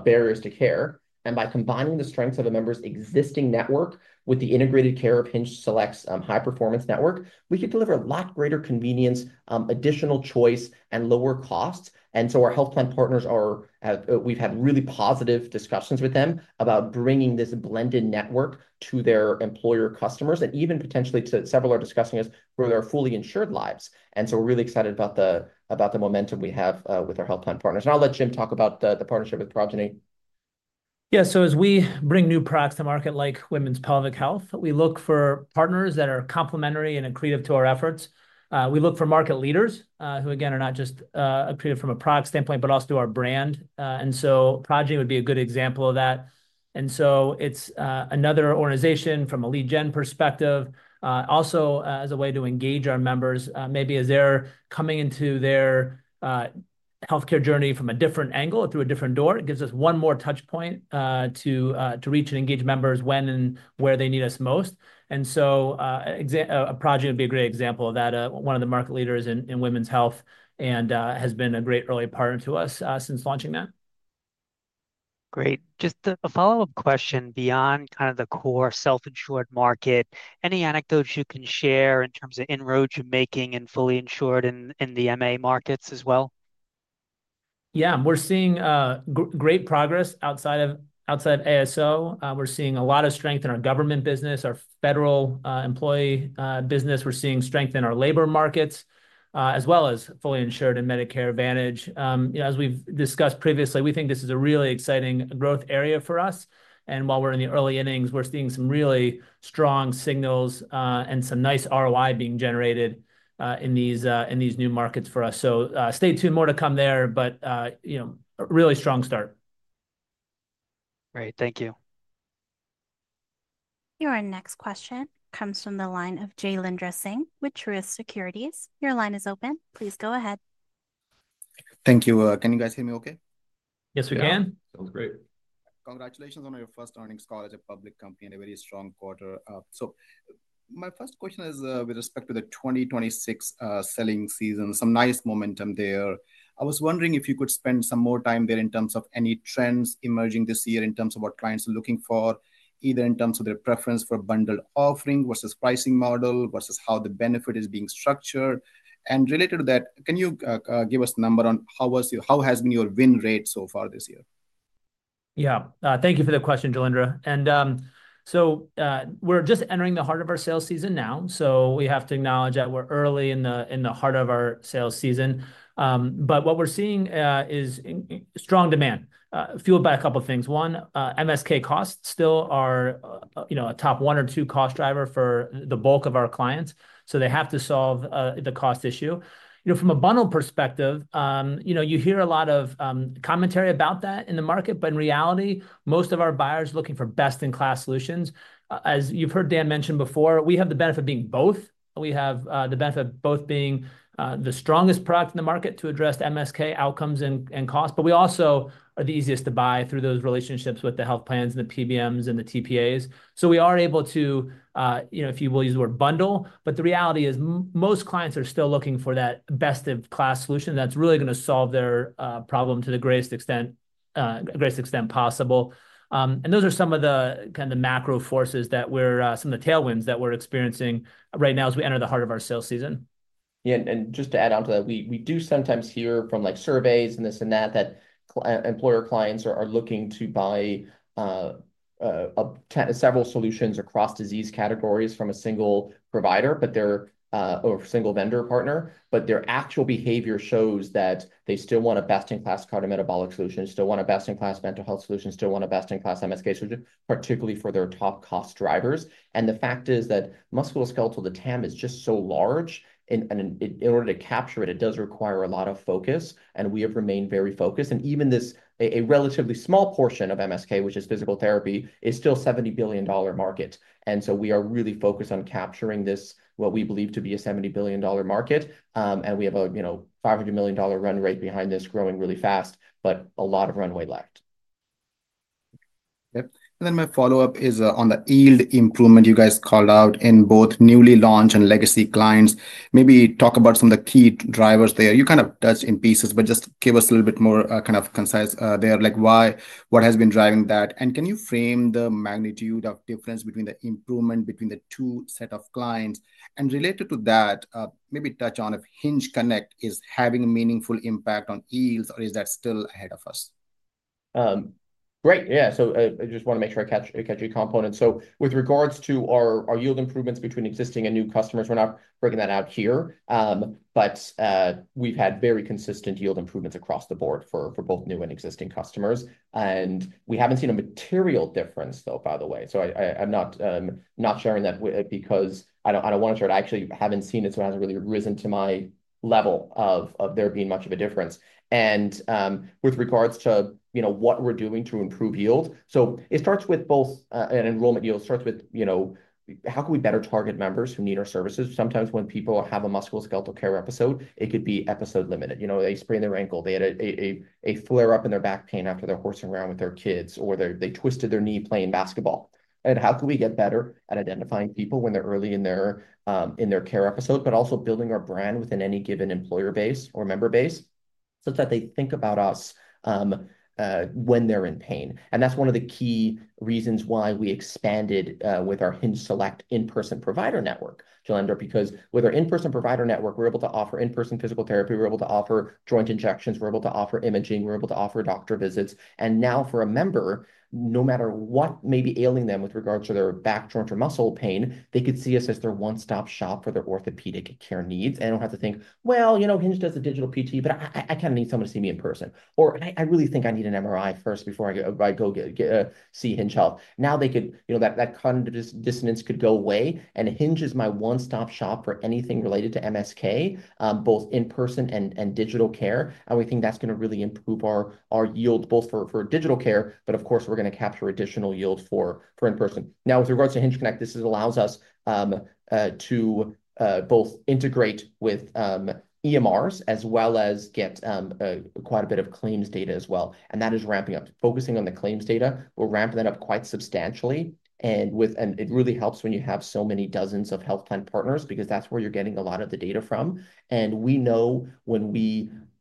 Speaker 3: barriers to care. By combining the strengths of a member's existing network with the integrated care of Hinge Select's high-performance network, we could deliver a lot greater convenience, additional choice, and lower costs. Our health plan partners, we've had really positive discussions with them about bringing this blended network to their employer customers and even potentially to several are discussing us for their fully insured lives. We're really excited about the momentum we have with our health plan partners. I'll let Jim talk about the partnership with Progeny.
Speaker 4: As we bring new products to market like women's pelvic health, we look for partners that are complementary and accretive to our efforts. We look for market leaders who, again, are not just accretive from a product standpoint, but also to our brand. Progeny would be a good example of that. It's another organization from a lead gen perspective, also as a way to engage our members. Maybe as they're coming into their healthcare journey from a different angle through a different door, it gives us one more touchpoint to reach and engage members when and where they need us most. Progeny would be a great example of that, one of the market leaders in women's health and has been a great early partner to us since launching that.
Speaker 8: Great. Just a follow-up question beyond kind of the core self-insured market. Any anecdotes you can share in terms of inroads you're making in fully insured and in the MA markets as well?
Speaker 4: Yeah, we're seeing great progress outside of ASO. We're seeing a lot of strength in our government business, our federal employee business. We're seeing strength in our labor markets, as well as fully insured and Medicare Advantage. As we've discussed previously, we think this is a really exciting growth area for us. While we're in the early innings, we're seeing some really strong signals and some nice ROI being generated in these new markets for us. Stay tuned. More to come there, but you know, really strong start.
Speaker 8: Great, thank you.
Speaker 1: Your next question comes from the line of Jailendra Singh with Truist Securities. Your line is open. Please go ahead.
Speaker 9: Thank you. Can you guys hear me okay?
Speaker 3: Yes, we can.
Speaker 5: Sounds great.
Speaker 9: Congratulations on your first earnings call as a public company and a very strong quarter. My first question is with respect to the 2026 selling season, some nice momentum there. I was wondering if you could spend some more time there in terms of any trends emerging this year in terms of what clients are looking for, either in terms of their preference for bundled offering versus pricing model versus how the benefit is being structured. Related to that, can you give us a number on how has been your win rate so far this year?
Speaker 4: Thank you for the question, Jailendra. We're just entering the heart of our sales season now. We have to acknowledge that we're early in the heart of our sales season, but what we're seeing is strong demand, fueled by a couple of things. One, MSK costs still are a top one or two cost driver for the bulk of our clients, so they have to solve the cost issue. From a bundle perspective, you hear a lot of commentary about that in the market, but in reality, most of our buyers are looking for best-in-class solutions. As you've heard Dan mention before, we have the benefit of being both. We have the benefit of both being the strongest product in the market to address MSK outcomes and costs, but we also are the easiest to buy through those relationships with the health plans and the PBMs and the TPAs. We are able to, if you will, use the word bundle, but the reality is most clients are still looking for that best-in-class solution that's really going to solve their problem to the greatest extent possible. Those are some of the macro forces, some of the tailwinds that we're experiencing right now as we enter the heart of our sales season.
Speaker 3: Yeah, and just to add on to that, we do sometimes hear from surveys and this and that that employer clients are looking to buy several solutions across disease categories from a single provider or single vendor partner, but their actual behavior shows that they still want a best-in-class cardiometabolic solution, still want a best-in-class mental health solution, still want a best-in-class MSK solution, particularly for their top cost drivers. The fact is that musculoskeletal, the TAM, is just so large, and in order to capture it, it does require a lot of focus, and we have remained very focused. Even this, a relatively small portion of MSK, which is physical therapy, is still a $70 billion market. We are really focused on capturing this, what we believe to be a $70 billion market. We have a $500 million run rate behind this growing really fast, but a lot of runway left.
Speaker 9: My follow-up is on the yield improvement you guys called out in both newly launched and legacy clients. Maybe talk about some of the key drivers there. You kind of touched in pieces, but just give us a little bit more kind of concise there, like why, what has been driving that, and can you frame the magnitude of difference between the improvement between the two sets of clients? Related to that, maybe touch on if Hinge Connect is having a meaningful impact on yields, or is that still ahead of us?
Speaker 3: Right, yeah, I just want to make sure I catch each component. With regards to our yield improvements between existing and new customers, we're not breaking that out here, but we've had very consistent yield improvements across the board for both new and existing customers. We haven't seen a material difference, by the way. I'm not sharing that because I don't want to share it. I actually haven't seen it, so it hasn't really risen to my level of there being much of a difference. With regards to what we're doing to improve yield, it starts with both an enrollment yield. It starts with how can we better target members who need our services. Sometimes when people have a musculoskeletal care episode, it could be episode limited. They sprained their ankle, they had a flare-up in their back pain after they're horsing around with their kids, or they twisted their knee playing basketball. How can we get better at identifying people when they're early in their care episode, but also building our brand within any given employer base or member base so that they think about us when they're in pain. That is one of the key reasons why we expanded with our Hinge Select in-person provider network, Jalendra, because with our in-person provider network, we're able to offer in-person physical therapy, we're able to offer joint injections, we're able to offer imaging, we're able to offer doctor visits. Now for a member, no matter what may be ailing them with regards to their back, joint, or muscle pain, they could see us as their one-stop shop for their orthopedic care needs. They don't have to think, you know, Hinge does a digital PT, but I kind of need someone to see me in person. Or I really think I need an MRI first before I go see Hinge Health. Now that kind of dissonance could go away. Hinge is my one-stop shop for anything related to MSK, both in-person and digital care. We think that's going to really improve our yield both for digital care, but of course we're going to capture additional yield for in-person. With regards to Hinge Connect, this allows us to both integrate with EMRs as well as get quite a bit of claims data as well. That is ramping up. Focusing on the claims data, we're ramping that up quite substantially. It really helps when you have so many dozens of health plan partners because that's where you're getting a lot of the data from. We know when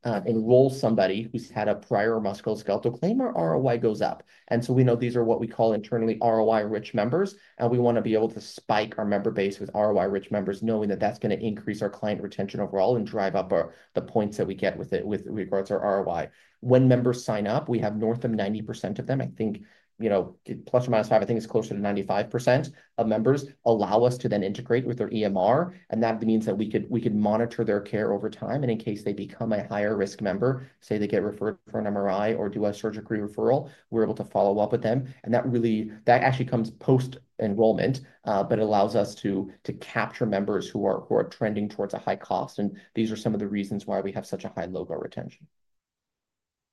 Speaker 3: we enroll somebody who's had a prior MSK claim, our ROI goes up. We know these are what we call internally ROI-rich members. We want to be able to spike our member base with ROI-rich members, knowing that that's going to increase our client retention overall and drive up the points that we get with regards to our ROI. When members sign up, we have north of 90% of them, ±5%, I think it's closer to 95% of members, allow us to then integrate with their EMR. That means that we could monitor their care over time. In case they become a higher risk member, say they get referred for an MRI or do a surgical referral, we're able to follow up with them. That actually comes post-enrollment, but it allows us to capture members who are trending towards a high cost. These are some of the reasons why we have such a high logo retention.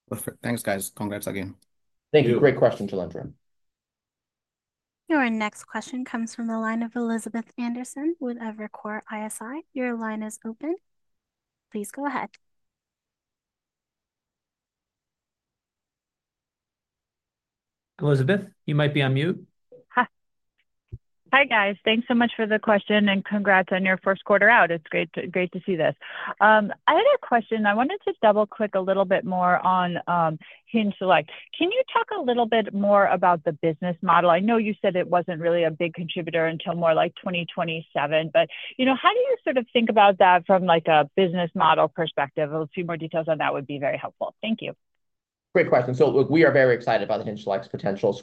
Speaker 9: Perfect. Thanks, guys. Congrats again.
Speaker 3: Thank you. Great question, Jailendra.
Speaker 1: Our next question comes from the line of Elizabeth Anderson with Evercore ISI. Your line is open. Please go ahead.
Speaker 4: Elizabeth, you might be on mute.
Speaker 10: Hi, guys. Thanks so much for the question and congrats on your first quarter out. It's great to see this. I had a question. I wanted to double-click a little bit more on Hinge Select. Can you talk a little bit more about the business model? I know you said it wasn't really a big contributor until more like 2027, but you know, how do you sort of think about that from like a business model perspective? A few more details on that would be very helpful. Thank you.
Speaker 3: Great question. Look, we are very excited about Hinge Select's potential.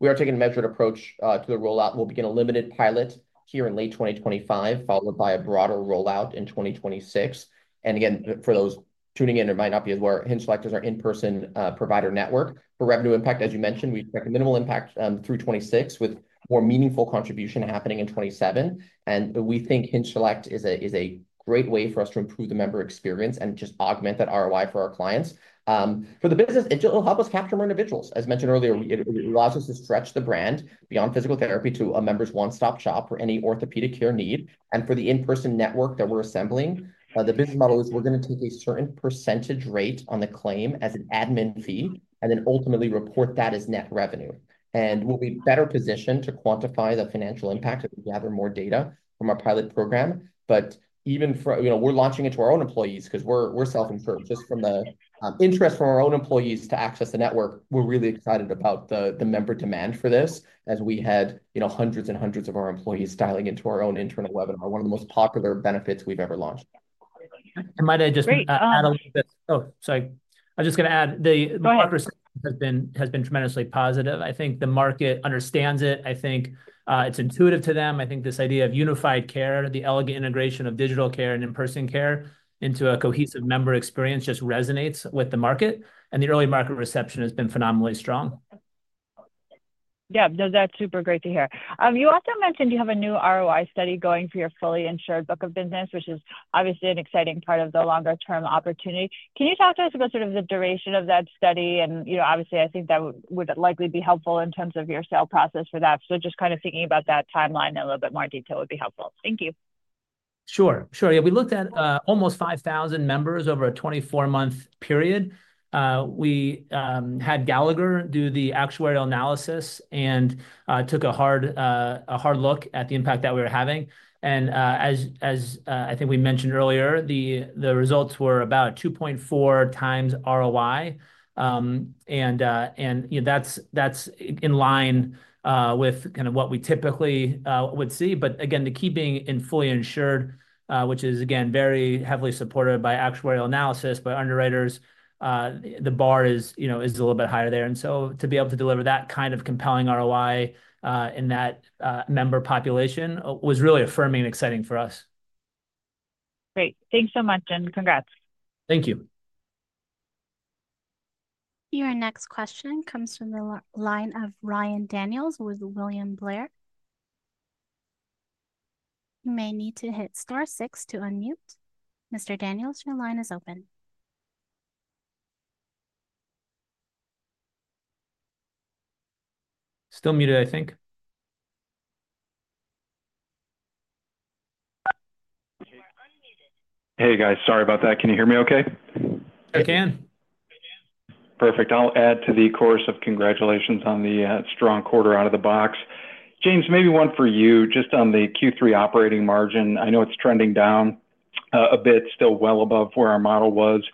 Speaker 3: We are taking a measured approach to the rollout. We'll begin a limited pilot here in late 2025, followed by a broader rollout in 2026. For those tuning in, it might not be as well known. Hinge Select is our in-person provider network. For revenue impact, as you mentioned, we expect a minimal impact through 2026, with more meaningful contribution happening in 2027. We think Hinge Select is a great way for us to improve the member experience and just augment that ROI for our clients. For the business, it'll help us capture more individuals. As mentioned earlier, it allows us to stretch the brand beyond physical therapy to a member's one-stop shop for any orthopedic care need. For the in-person network that we're assembling, the business model is we're going to take a certain percentage rate on the claim as an admin fee and then ultimately report that as net revenue. We'll be better positioned to quantify the financial impact if we gather more data from our pilot program. Even from launching it to our own employees because we're self-insured, just from the interest from our own employees to access the network, we're really excited about the member demand for this, as we had hundreds and hundreds of our employees dialing into our own internal webinar, one of the most popular benefits we've ever launched.
Speaker 4: I might just add a little bit. I was just going to add the market reception has been tremendously positive. I think the market understands it. I think it's intuitive to them. I think this idea of unified care, the elegant integration of digital care and in-person care into a cohesive member experience just resonates with the market. The early market reception has been phenomenally strong.
Speaker 10: Yeah, no, that's super great to hear. You also mentioned you have a new ROI study going for your fully insured book of business, which is obviously an exciting part of the longer-term opportunity. Can you talk to us about the duration of that study? I think that would likely be helpful in terms of your sale process for that. Just kind of thinking about that timeline in a little bit more detail would be helpful. Thank you.
Speaker 4: Sure, sure. Yeah, we looked at almost 5,000 members over a 24-month period. We had Gallagher do the actuarial analysis and took a hard look at the impact that we were having. As I think we mentioned earlier, the results were about 2.4x ROI. That's in line with kind of what we typically would see. The key being in fully insured, which is again very heavily supported by actuarial analysis, by underwriters, the bar is a little bit higher there. To be able to deliver that kind of compelling ROI in that member population was really affirming and exciting for us.
Speaker 10: Great. Thanks so much, Jim. Congrats.
Speaker 4: Thank you.
Speaker 1: Your next question comes from the line of Ryan Daniels with William Blair. You may need to hit star six to unmute. Mr. Daniels, your line is open.
Speaker 4: Still muted, I think.
Speaker 11: Hey, guys, sorry about that. Can you hear me okay?
Speaker 4: I can.
Speaker 11: Perfect. I'll add to the chorus of congratulations on the strong quarter out of the box. James, maybe one for you, just on the Q3 operating margin. I know it's trending down a bit, still well above where our model was.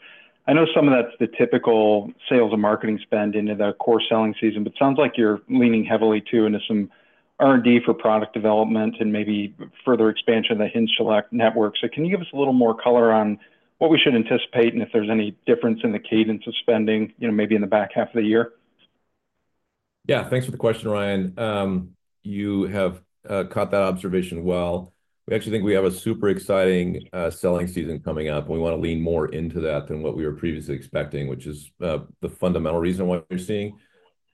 Speaker 11: I know some of that's the typical sales and marketing spend into the core selling season, but it sounds like you're leaning heavily too into some R&D for product development and maybe further expansion of the Hinge Select network. Can you give us a little more color on what we should anticipate and if there's any difference in the cadence of spending, maybe in the back half of the year?
Speaker 5: Yeah, thanks for the question, Ryan. You have caught that observation well. We actually think we have a super exciting selling season coming up, and we want to lean more into that than what we were previously expecting, which is the fundamental reason why we're seeing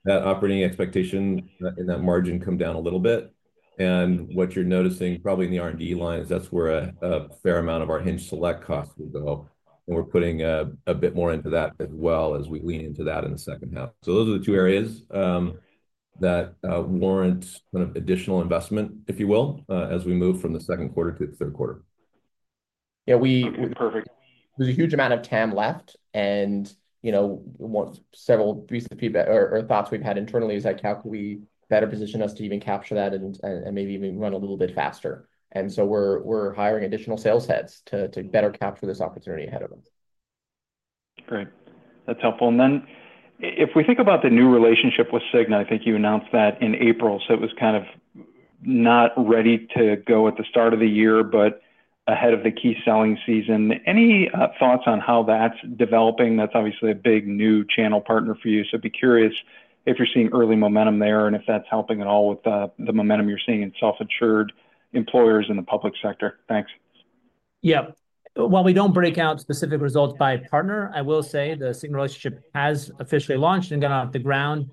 Speaker 5: that operating expectation in that margin come down a little bit. What you're noticing probably in the R&D line is that's where a fair amount of our Hinge Select costs will go. We're putting a bit more into that as well as we lean into that in the second half. Those are the two areas that warrant kind of additional investment, if you will, as we move from the second quarter to the third quarter.
Speaker 11: Yeah, perfect.
Speaker 3: There's a huge amount of TAM left, and you know, several pieces of feedback or thoughts we've had internally is that how can we better position us to even capture that and maybe even run a little bit faster. We're hiring additional sales heads to better capture this opportunity ahead of them.
Speaker 11: Great. That's helpful. If we think about the new relationship with Cigna, I think you announced that in April, so it was kind of not ready to go at the start of the year, but ahead of the key selling season. Any thoughts on how that's developing? That's obviously a big new channel partner for you. Be curious if you're seeing early momentum there and if that's helping at all with the momentum you're seeing in self-insured employers in the public sector. Thanks.
Speaker 4: While we don't break out specific results by partner, I will say the Cigna relationship has officially launched and got off the ground.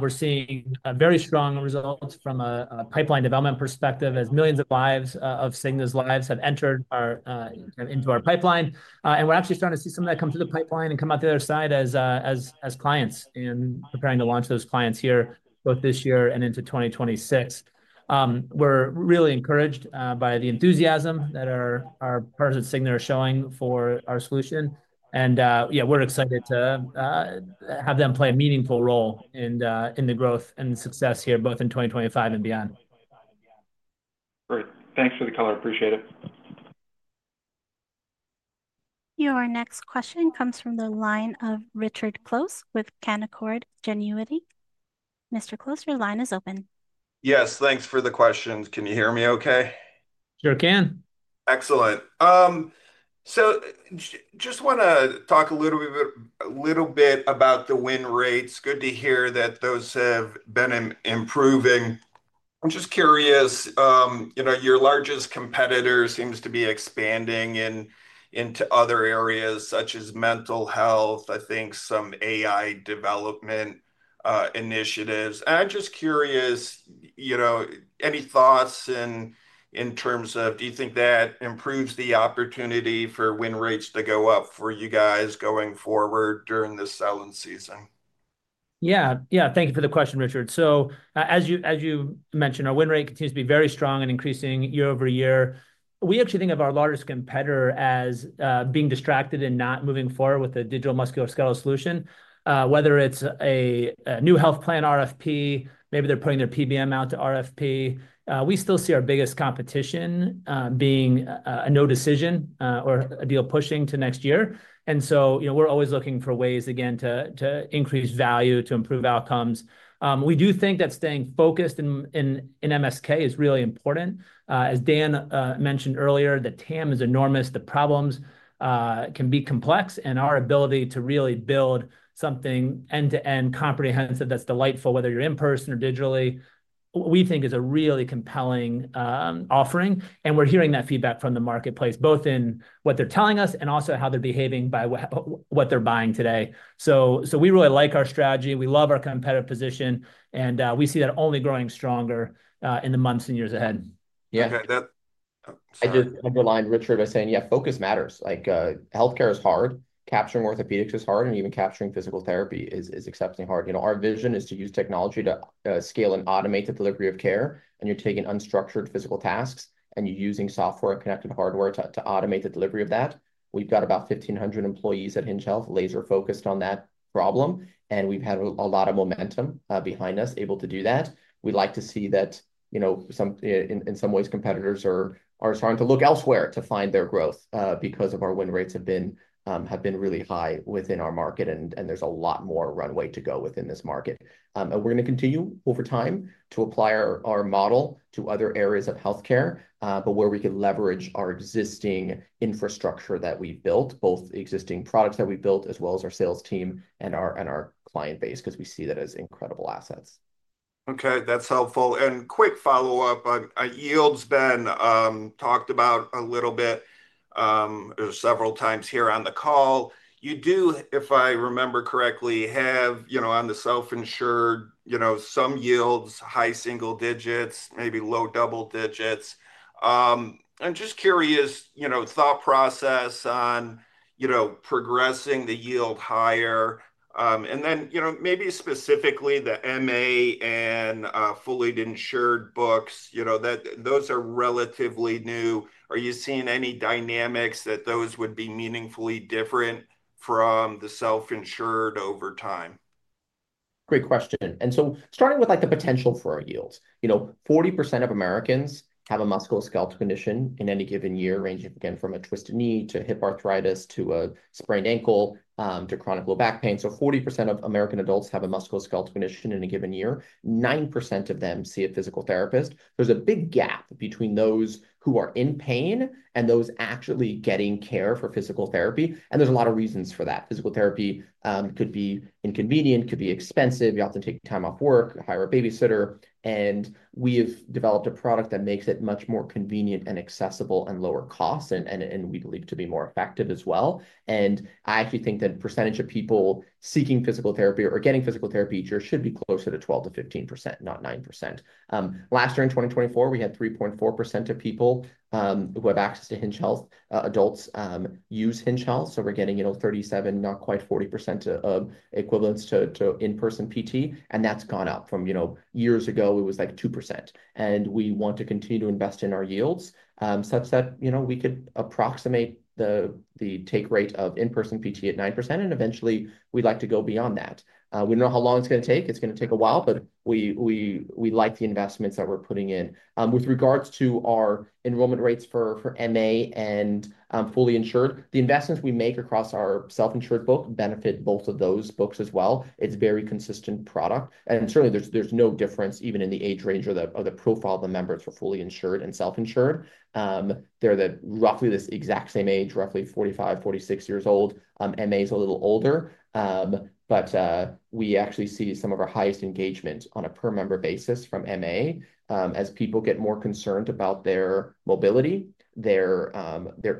Speaker 4: We're seeing very strong results from a pipeline development perspective as millions of Cigna's lives have entered into our pipeline. We're actually starting to see some of that come through the pipeline and come out the other side as clients and preparing to launch those clients here both this year and into 2026. We're really encouraged by the enthusiasm that our partners at Cigna are showing for our solution. We're excited to have them play a meaningful role in the growth and success here both in 2025 and beyond.
Speaker 11: Great. Thanks for the color. I appreciate it.
Speaker 1: Your next question comes from the line of Richard Close with Canaccord Genuity. Mr. Close, your line is open.
Speaker 12: Yes, thanks for the question. Can you hear me okay?
Speaker 5: Sure can.
Speaker 12: Excellent. I just want to talk a little bit about the win rates. Good to hear that those have been improving. I'm just curious, you know, your largest competitor seems to be expanding into other areas such as mental health, I think some AI development initiatives. I'm just curious, you know, any thoughts in terms of do you think that improves the opportunity for win rates to go up for you guys going forward during the selling season?
Speaker 4: Thank you for the question, Richard. As you mentioned, our win rate continues to be very strong and increasing year-over-year. We actually think of our largest competitor as being distracted and not moving forward with a digital MSK solution. Whether it's a new health plan RFP, maybe they're putting their PBM out to RFP, we still see our biggest competition being a no decision or a deal pushing to next year. We're always looking for ways again to increase value, to improve outcomes. We do think that staying focused in MSK is really important. As Dan mentioned earlier, the TAM is enormous. The problems can be complex, and our ability to really build something end-to-end comprehensive that's delightful, whether you're in person or digitally, is a really compelling offering. We're hearing that feedback from the marketplace, both in what they're telling us and also how they're behaving by what they're buying today. We really like our strategy. We love our competitive position, and we see that only growing stronger in the months and years ahead.
Speaker 3: Yeah, I just want to underline what Richard was saying, yeah, focus matters. Healthcare is hard. Capturing orthopedics is hard, and even capturing physical therapy is exceptionally hard. You know, our vision is to use technology to scale and automate the delivery of care, and you're taking unstructured physical tasks, and you're using software and connected hardware to automate the delivery of that. We've got about 1,500 employees at Hinge Health laser-focused on that problem, and we've had a lot of momentum behind us able to do that. We'd like to see that, you know, in some ways, competitors are starting to look elsewhere to find their growth because our win rates have been really high within our market, and there's a lot more runway to go within this market. We're going to continue over time to apply our model to other areas of healthcare, where we can leverage our existing infrastructure that we built, both existing products that we built, as well as our sales team and our client base, because we see that as incredible assets.
Speaker 12: Okay, that's helpful. Quick follow-up on yields, Ben talked about it a little bit several times here on the call. You do, if I remember correctly, have, you know, on the self-insured, some yields, high single digits, maybe low double digits. I'm just curious, thought process on progressing the yield higher. Maybe specifically the MA and fully insured books, those are relatively new. Are you seeing any dynamics that those would be meaningfully different from the self-insured over time?
Speaker 3: Great question. Starting with the potential for our yield, 40% of Americans have a musculoskeletal condition in any given year, ranging from a twisted knee to hip arthritis to a sprained ankle to chronic low back pain. So 40% of American adults have a musculoskeletal condition in a given year. 9% of them see a physical therapist. There's a big gap between those who are in pain and those actually getting care for physical therapy. There are a lot of reasons for that. Physical therapy could be inconvenient, could be expensive. You often take time off work, hire a babysitter. We've developed a product that makes it much more convenient and accessible and lower cost, and we believe to be more effective as well. I actually think that the percentage of people seeking physical therapy or getting physical therapy each year should be closer to 12%-15%, not 9%. Last year in 2024, we had 3.4% of people who have access to Hinge Health. Adults use Hinge Health. We're getting 37%, not quite 40% of equivalents to in-person PT. That's gone up from years ago, it was like 2%. We want to continue to invest in our yields. I've said we could approximate the take rate of in-person PT at 9%, and eventually, we'd like to go beyond that. We don't know how long it's going to take. It's going to take a while, but we like the investments that we're putting in. With regards to our enrollment rates for MA and fully insured, the investments we make across our self-insured book benefit both of those books as well. It's a very consistent product. Certainly, there's no difference even in the age range or the profile of the members for fully insured and self-insured. They're roughly the exact same age, roughly 45, 46 years old. MA is a little older. We actually see some of our highest engagement on a per-member basis from MA as people get more concerned about their mobility. Their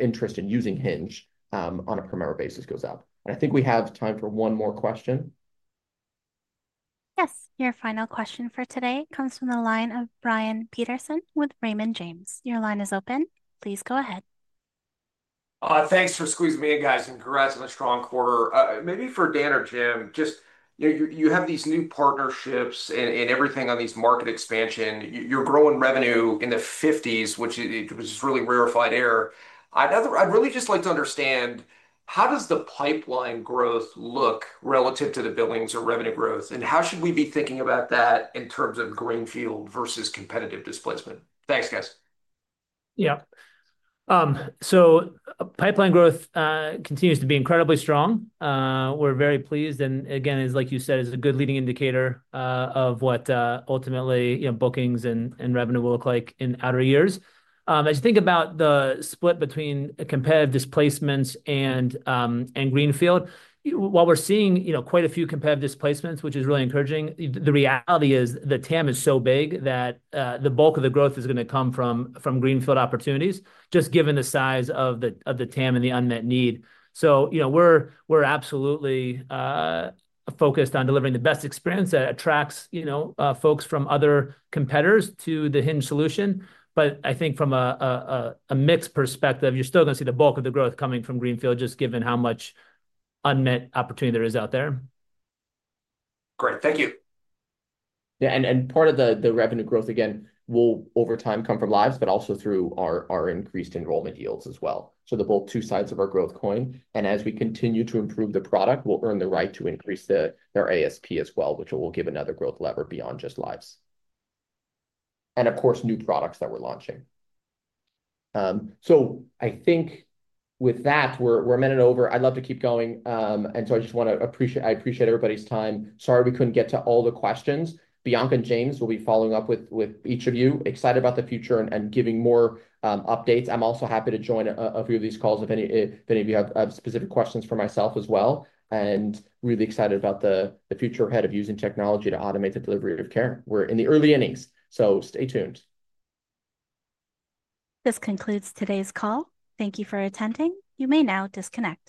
Speaker 3: interest in using Hinge on a per-member basis goes up. I think we have time for one more question.
Speaker 1: Yes, your final question for today comes from the line of Brian Peterson with Raymond James. Your line is open. Please go ahead.
Speaker 13: Thanks for squeezing me in, guys, and congrats on a strong quarter. Maybe for Dan or Jim, just, you know, you have these new partnerships and everything on these market expansions. You're growing revenue in the 50s, which is really rarefied air. I'd really just like to understand how does the pipeline growth look relative to the billings or revenue growth? How should we be thinking about that in terms of greenfield versus competitive displacement? Thanks, guys.
Speaker 4: Yeah. Pipeline growth continues to be incredibly strong. We're very pleased. As you said, it's a good leading indicator of what ultimately, you know, bookings and revenue will look like in outer years. As you think about the split between competitive displacements and greenfield, while we're seeing quite a few competitive displacements, which is really encouraging, the reality is the TAM is so big that the bulk of the growth is going to come from greenfield opportunities, just given the size of the TAM and the unmet need. We're absolutely focused on delivering the best experience that attracts folks from other competitors to the Hinge Health solution. I think from a mix perspective, you're still going to see the bulk of the growth coming from greenfield, just given how much unmet opportunity there is out there.
Speaker 13: Great, thank you.
Speaker 3: Part of the revenue growth, again, will over time come from lives, but also through our increased enrollment yields as well. The both two sides of our growth coin. As we continue to improve the product, we'll earn the right to increase our ASP as well, which will give another growth lever beyond just lives. Of course, new products that we're launching. I think with that, we're a minute over. I'd love to keep going. I just want to appreciate everybody's time. Sorry we couldn't get to all the questions. Bianca and James will be following up with each of you. Excited about the future and giving more updates. I'm also happy to join a few of these calls if any of you have specific questions for myself as well. Really excited about the future ahead of using technology to automate the delivery of care. We're in the early innings, so stay tuned.
Speaker 1: This concludes today's call. Thank you for attending. You may now disconnect.